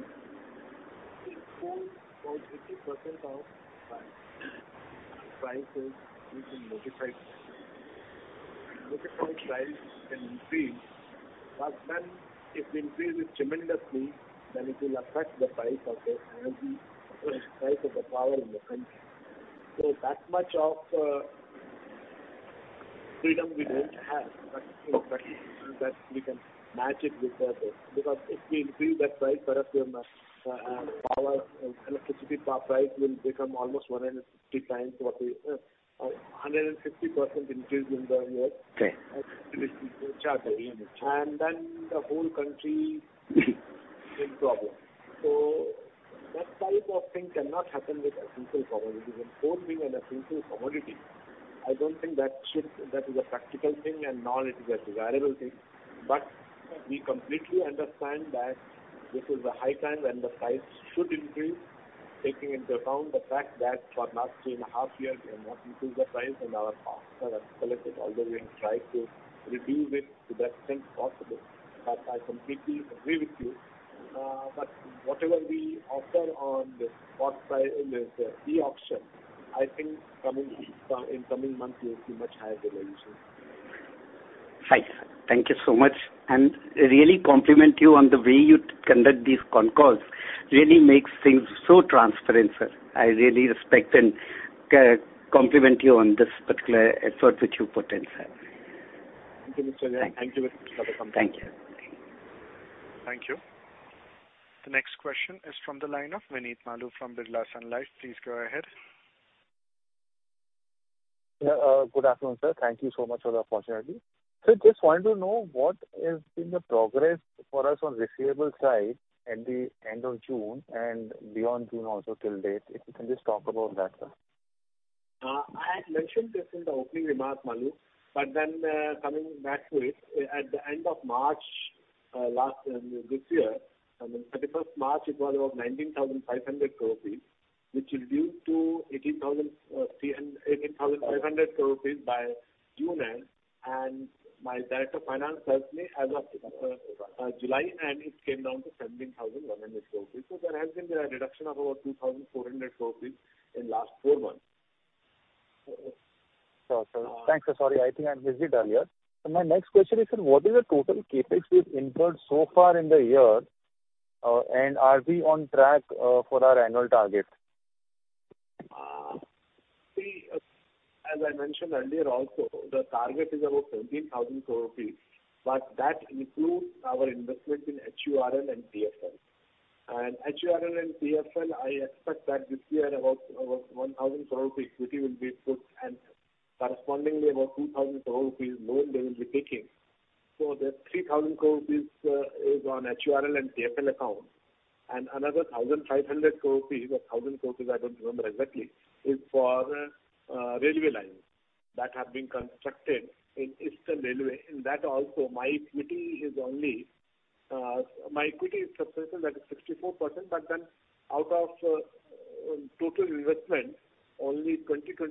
Speaker 3: In Coal, about 80% of prices we can modify. Modified price can increase, if the increase is tremendously, then it will affect the price of the energy, price of the power in the country. That much of freedom we don't have. Because if we increase that price furthermore, our electricity price will become almost 150% increase in the year.
Speaker 16: Okay.
Speaker 3: Then the whole country will problem. That type of thing cannot happen with essential commodities. Coal being an essential commodity, I don't think that is a practical thing and nor it is a desirable thing. We completely understand that this is a high time when the price should increase, taking into account the fact that for last two and a half years, we have not increased the price, and our stocks are collected all the way and tried to reduce it to the extent possible. I completely agree with you. Whatever we offer on the spot price in the e-auction, I think in coming months, you'll see much higher realization.
Speaker 16: Right. Thank you so much, and really compliment you on the way you conduct these concalls. Really makes things so transparent, sir. I really respect and compliment you on this particular effort which you put in, sir.
Speaker 3: Thank you, Mr. Jain. Thank you very much for the compliment.
Speaker 16: Thank you.
Speaker 1: Thank you. The next question is from the line of Vineet Maloo from Birla Sun Life. Please go ahead.
Speaker 17: Good afternoon, sir. Thank you so much for the opportunity. Sir, just wanted to know what has been the progress for us on receivable side at the end of June and beyond June also till date. If you can just talk about that, sir.
Speaker 3: I had mentioned this in the opening remarks, Maloo, coming back to it, at the end of March this year, I mean 31st March, it was about 19,500 crores rupees, which will reduce to 18,500 crores rupees by June end, and my Director of Finance tells me as of July end, it came down to INR 17,100 crores. There has been a reduction of about 2,400 crores in last four months.
Speaker 17: Sure, sir. Thanks, sir. Sorry, I think I missed it earlier. My next question is, sir, what is the total CapEx we've incurred so far in the year? Are we on track for our annual target?
Speaker 3: See, as I mentioned earlier also, the target is about 17,000 crore rupees, but that includes our investment in HURL and TFL. HURL and TFL, I expect that this year about 1,000 crore rupees equity will be put and correspondingly about 2,000 crore rupees loan they will be taking. That 3,000 crore rupees is on HURL and TFL account. Another 1,500 crore rupees or 1,000 crore rupees, I don't remember exactly, is for railway lines that have been constructed in eastern railway. In that also, my equity is successful, that is 64%. Out of total investment, only 20% or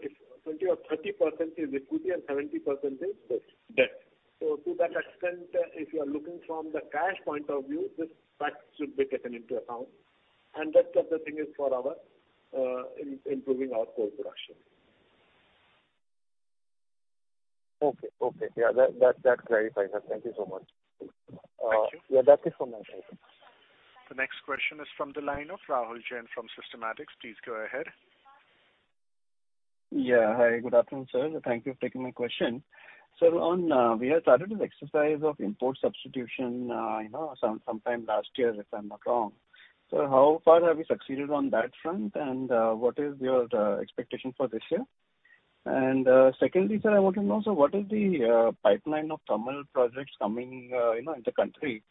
Speaker 3: 30% is equity and 70% is debt. To that extent, if you are looking from the cash point of view, this fact should be taken into account. Rest of the thing is for improving our coal production.
Speaker 17: Okay. Yeah, that clarifies that. Thank you so much.
Speaker 3: Thank you.
Speaker 17: Yeah, that is from my side.
Speaker 1: The next question is from the line of Rahul Jain from Systematix. Please go ahead.
Speaker 18: Yeah. Hi, good afternoon, sir. Thank you for taking my question. Sir, we had started this exercise of import substitution, sometime last year, if I'm not wrong. Sir, how far have you succeeded on that front? What is your expectation for this year? Secondly, sir, I want to know, sir, what is the pipeline of thermal projects coming in the country?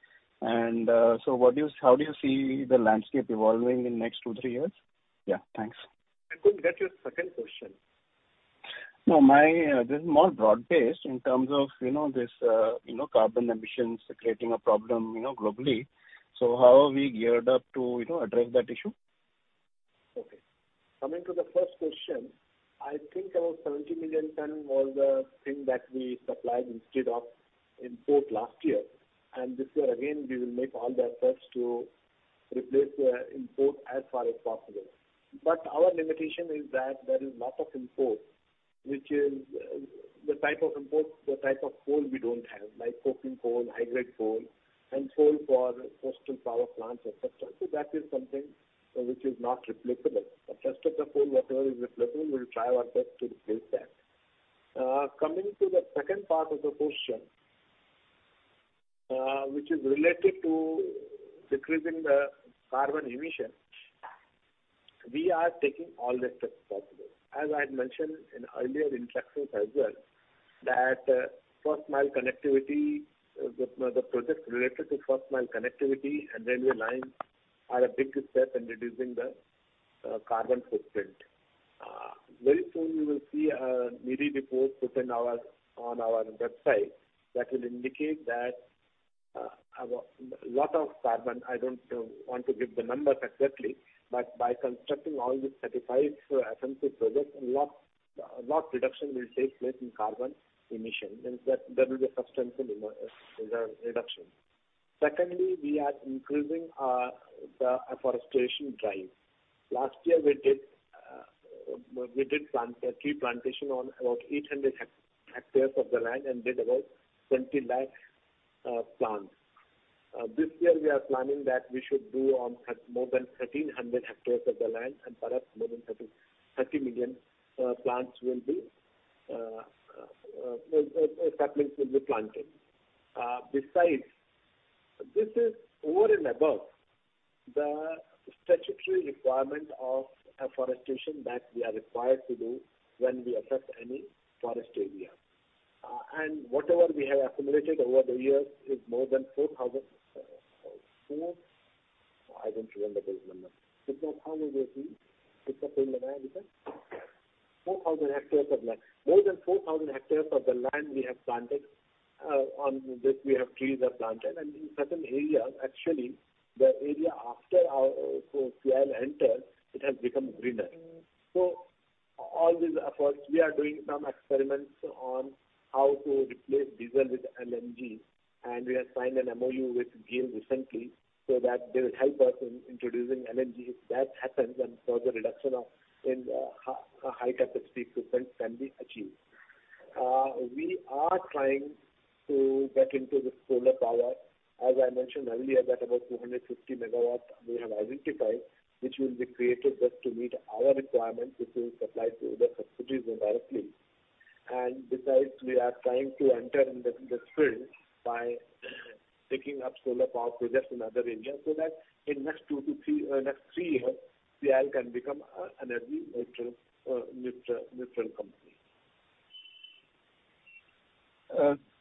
Speaker 18: How do you see the landscape evolving in next two to three years? Yeah, thanks.
Speaker 3: I couldn't get your second question.
Speaker 18: No, this is more broad-based in terms of this carbon emissions creating a problem globally. How are we geared up to address that issue?
Speaker 3: Okay. Coming to the first question, I think about 70 million ton was the thing that we supplied instead of import last year. This year again, we will make all the efforts to replace the import as far as possible. Our limitation is that there is lot of import, which is the type of coal we don't have, like coking coal, high-grade coal, and coal for coastal power plants, et cetera. That is something which is not replicable. Rest of the coal, whatever is replicable, we'll try our best to replace that. Coming to the second part of the question, which is related to decreasing the carbon emission. We are taking all the steps possible. As I had mentioned in earlier interactions as well, that the project related to first mile connectivity and railway lines are a big step in reducing the carbon footprint. Very soon you will see a MoEFCC report put on our website that will indicate that a lot of carbon, I don't want to give the numbers exactly, but by constructing all these 35 FMCP projects, a lot reduction will take place in carbon emission. There will be a substantial reduction. Secondly, we are increasing the afforestation drive. Last year, we did tree plantation on about 800 hectares of the land and did about 20 lakh plants. This year we are planning that we should do on more than 1,300 hectares of the land and perhaps more than 30 million saplings will be planted. Besides, this is over and above the statutory requirement of afforestation that we are required to do when we affect any forest area. Whatever we have accumulated over the years is more than 4,000. I don't remember this number. More than 4,000 hectares of the land we have planted. On this we have trees are planted. In certain areas, actually, the area after our CIL enters, it has become greener. All these efforts. We are doing some experiments on how to replace diesel with LNG, and we have signed an MOU with GAIL recently so that they will help us in introducing LNG. If that happens, then further reduction in high capacity equipment can be achieved. We are trying to get into the solar power. As I mentioned earlier, that about 250 MW we have identified, which will be created just to meet our requirements, which will supply to other subsidiaries directly. Besides, we are trying to enter in this field by taking up solar power projects in other areas so that in next three years, CIL can become an energy neutral company.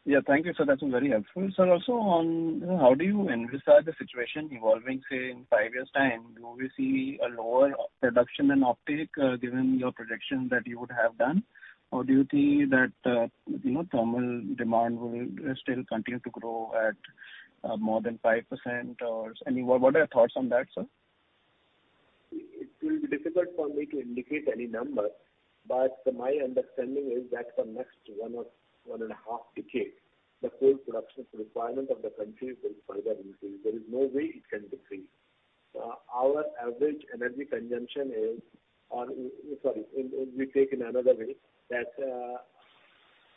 Speaker 18: Yeah. Thank you, sir. That's very helpful. Sir, also on how do you envisage the situation evolving, say, in five years' time? Do you see a lower production than offtake, given your projection that you would have done? Do you see that thermal demand will still continue to grow at more than 5%? What are your thoughts on that, sir?
Speaker 3: It will be difficult for me to indicate any number, but my understanding is that for next one and a half decade, the coal production requirement of the country will further increase. There is no way it can decrease. Our average energy consumption. Sorry, we take in another way, that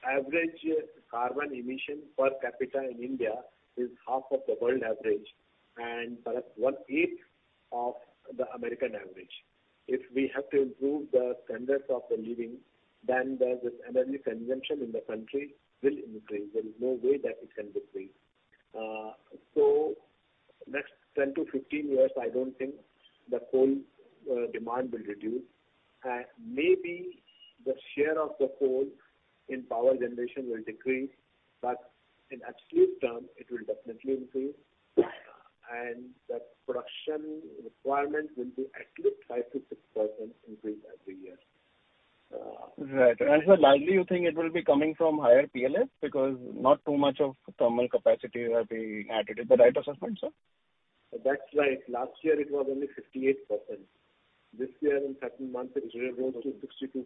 Speaker 3: average carbon emission per capita in India is half of the world average and perhaps 1/8 of the American average. If we have to improve the standards of the living, the energy consumption in the country will increase. There is no way that it can decrease. Next 10-15 years, I don't think the coal demand will reduce. Maybe the share of the coal in power generation will decrease, but in absolute terms, it will definitely increase. That production requirement will be at least 5%-6% increase every year.
Speaker 18: Right. Sir, likely you think it will be coming from higher PLFs because not too much of thermal capacity will be added. Is that the right assessment, sir?
Speaker 3: That's right. Last year it was only 58%. This year, in certain months, it rose to 62%.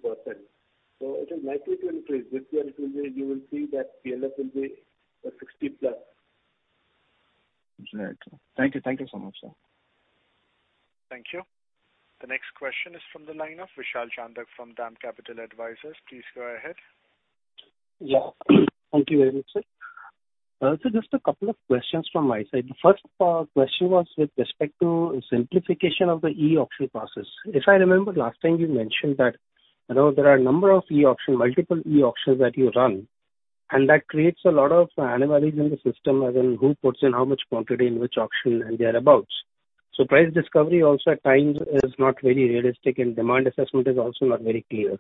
Speaker 3: It is likely to increase. This year you will see that PLF will be 60%+.
Speaker 18: Right. Thank you so much, sir.
Speaker 1: Thank you. The next question is from the line of Vishal Chandak from DAM Capital Advisors. Please go ahead.
Speaker 2: Thank you very much, sir. Sir, just a couple of questions from my side. First question was with respect to simplification of the e-auction process. If I remember last time you mentioned that there are a number of e-auction, multiple e-auctions that you run, and that creates a lot of anomalies in the system as in who puts in how much quantity in which auction and thereabouts. Price discovery also at times is not very realistic, and demand assessment is also not very clear.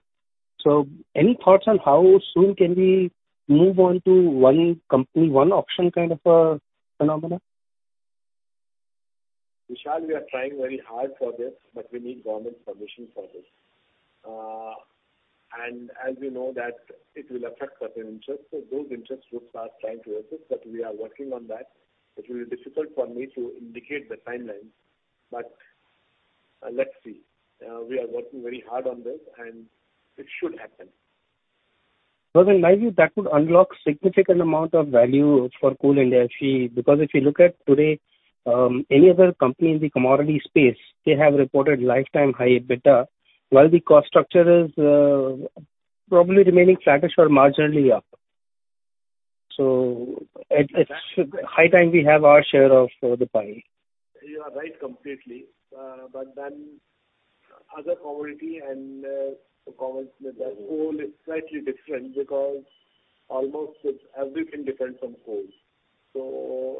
Speaker 2: Any thoughts on how soon can we move on to one company, one auction kind of a phenomenon?
Speaker 3: Vishal, we are trying very hard for this, but we need government permission for this. As you know that it will affect certain interests. Those interest groups are trying to resist, but we are working on that. It will be difficult for me to indicate the timeline, but let's see. We are working very hard on this, and it should happen.
Speaker 2: In my view, that would unlock significant amount of value for Coal India actually, because if you look at today, any other company in the commodity space, they have reported lifetime high EBITDA, while the cost structure is probably remaining flattish or marginally up. It's high time we have our share of the pie.
Speaker 3: You are right completely. Other commodity and coal is slightly different because almost everything depends on coal.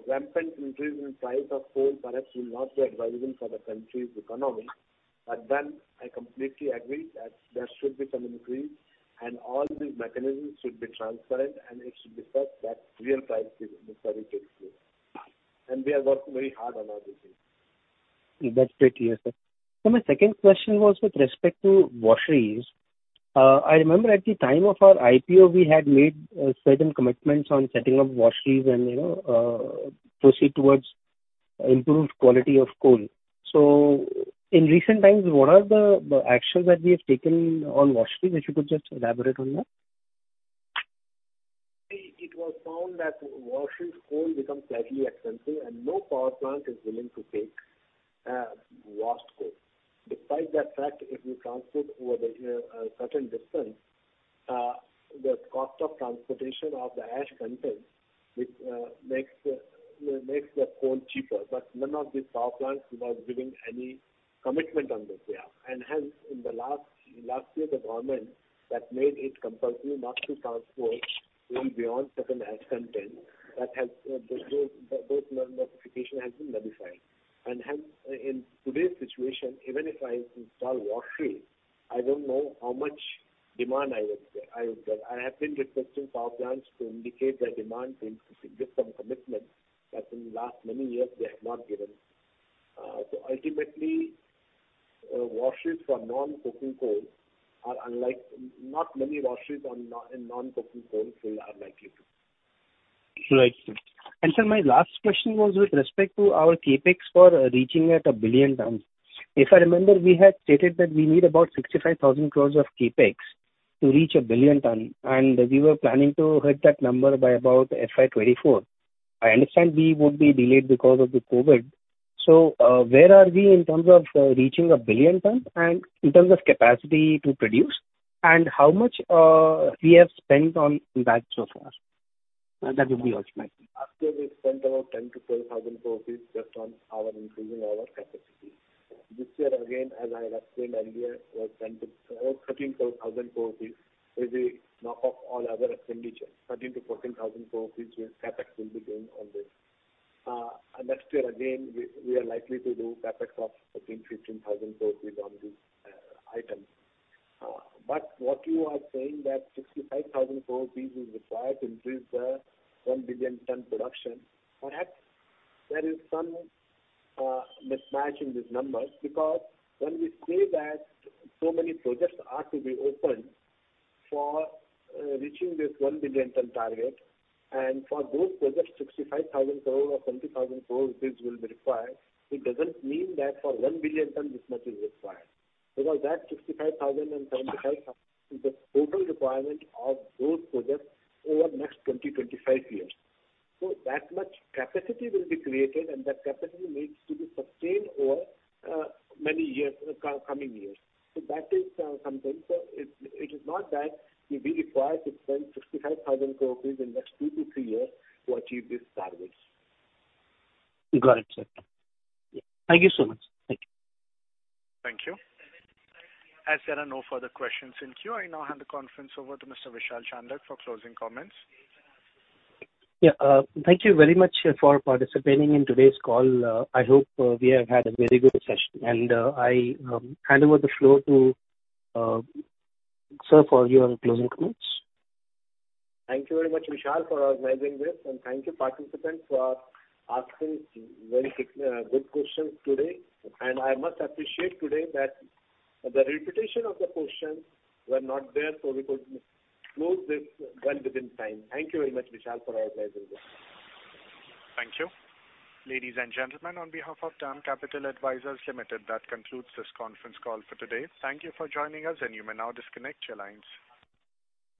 Speaker 3: Rampant increase in price of coal perhaps will not be advisable for the country's economy. I completely agree that there should be some increase, and all these mechanisms should be transparent, and it should be such that real price discovery takes place. We are working very hard on all these things.
Speaker 2: That's great to hear, sir. Sir, my second question was with respect to washeries. I remember at the time of our IPO, we had made certain commitments on setting up washeries and proceed towards improved quality of coal. In recent times, what are the actions that we have taken on washeries? If you could just elaborate on that.
Speaker 3: It was found that washing coal becomes slightly expensive, and no power plant is willing to take washed coal. Despite that fact, if you transport over a certain distance, the cost of transportation of the ash content, which makes the coal cheaper. None of these power plants was giving any commitment on this. In the last year, the government made it compulsory not to transport coal beyond certain ash content. Those notifications have been modified. In today's situation, even if I install washeries, I don't know how much demand I would get. I have been requesting power plants to indicate their demand to give some commitment, but in last many years, they have not given. Ultimately, not many washeries in non-coking coal field are likely to.
Speaker 2: Right. Sir, my last question was with respect to our CapEx for reaching at a billion tons. If I remember, we had stated that we need about 65,000 crores of CapEx to reach a billion ton, and we were planning to hit that number by about FY24. I understand we would be delayed because of the COVID. Where are we in terms of reaching a billion ton and in terms of capacity to produce, and how much we have spent on that so far? That would be all, sir.
Speaker 3: Last year, we spent about 10,000 crore-12,000 crore just on increasing our capacity. This year, again, as I explained earlier, about 13,000 crore will be off all other expenditures. 13,000 crore-14,000 crore CapEx will be done on this. Next year again, we are likely to do CapEx of between 13,000 crore-15,000 crore on this item. What you are saying, that 65,000 crore is required to increase the 1 billion ton production. Perhaps there is some mismatch in these numbers, because when we say that so many projects are to be opened for reaching this 1 billion ton target, and for those projects 65,000 crore or 75,000 crore rupees will be required. It doesn't mean that for 1 billion ton, this much is required. 75,000 is the total requirement of those projects over the next 20 to 25 years. That much capacity will be created, and that capacity needs to be sustained over many coming years. That is something. It is not that we require to spend 65,000 crores in the next two to three years to achieve this target.
Speaker 2: Got it, sir. Thank you so much. Thank you.
Speaker 1: Thank you. As there are no further questions in queue, I now hand the conference over to Mr. Vishal Chandak for closing comments.
Speaker 2: Thank you very much for participating in today's call. I hope we have had a very good session, and I hand over the floor to sir for your closing comments.
Speaker 3: Thank you very much, Vishal, for organizing this, and thank you, participants, for asking very good questions today. I must appreciate today that the repetition of the questions were not there, so we could close this well within time. Thank you very much, Vishal, for organizing this.
Speaker 1: Thank you. Ladies and gentlemen, on behalf of DAM Capital Advisors Limited, that concludes this conference call for today. Thank you for joining us, and you may now disconnect your lines.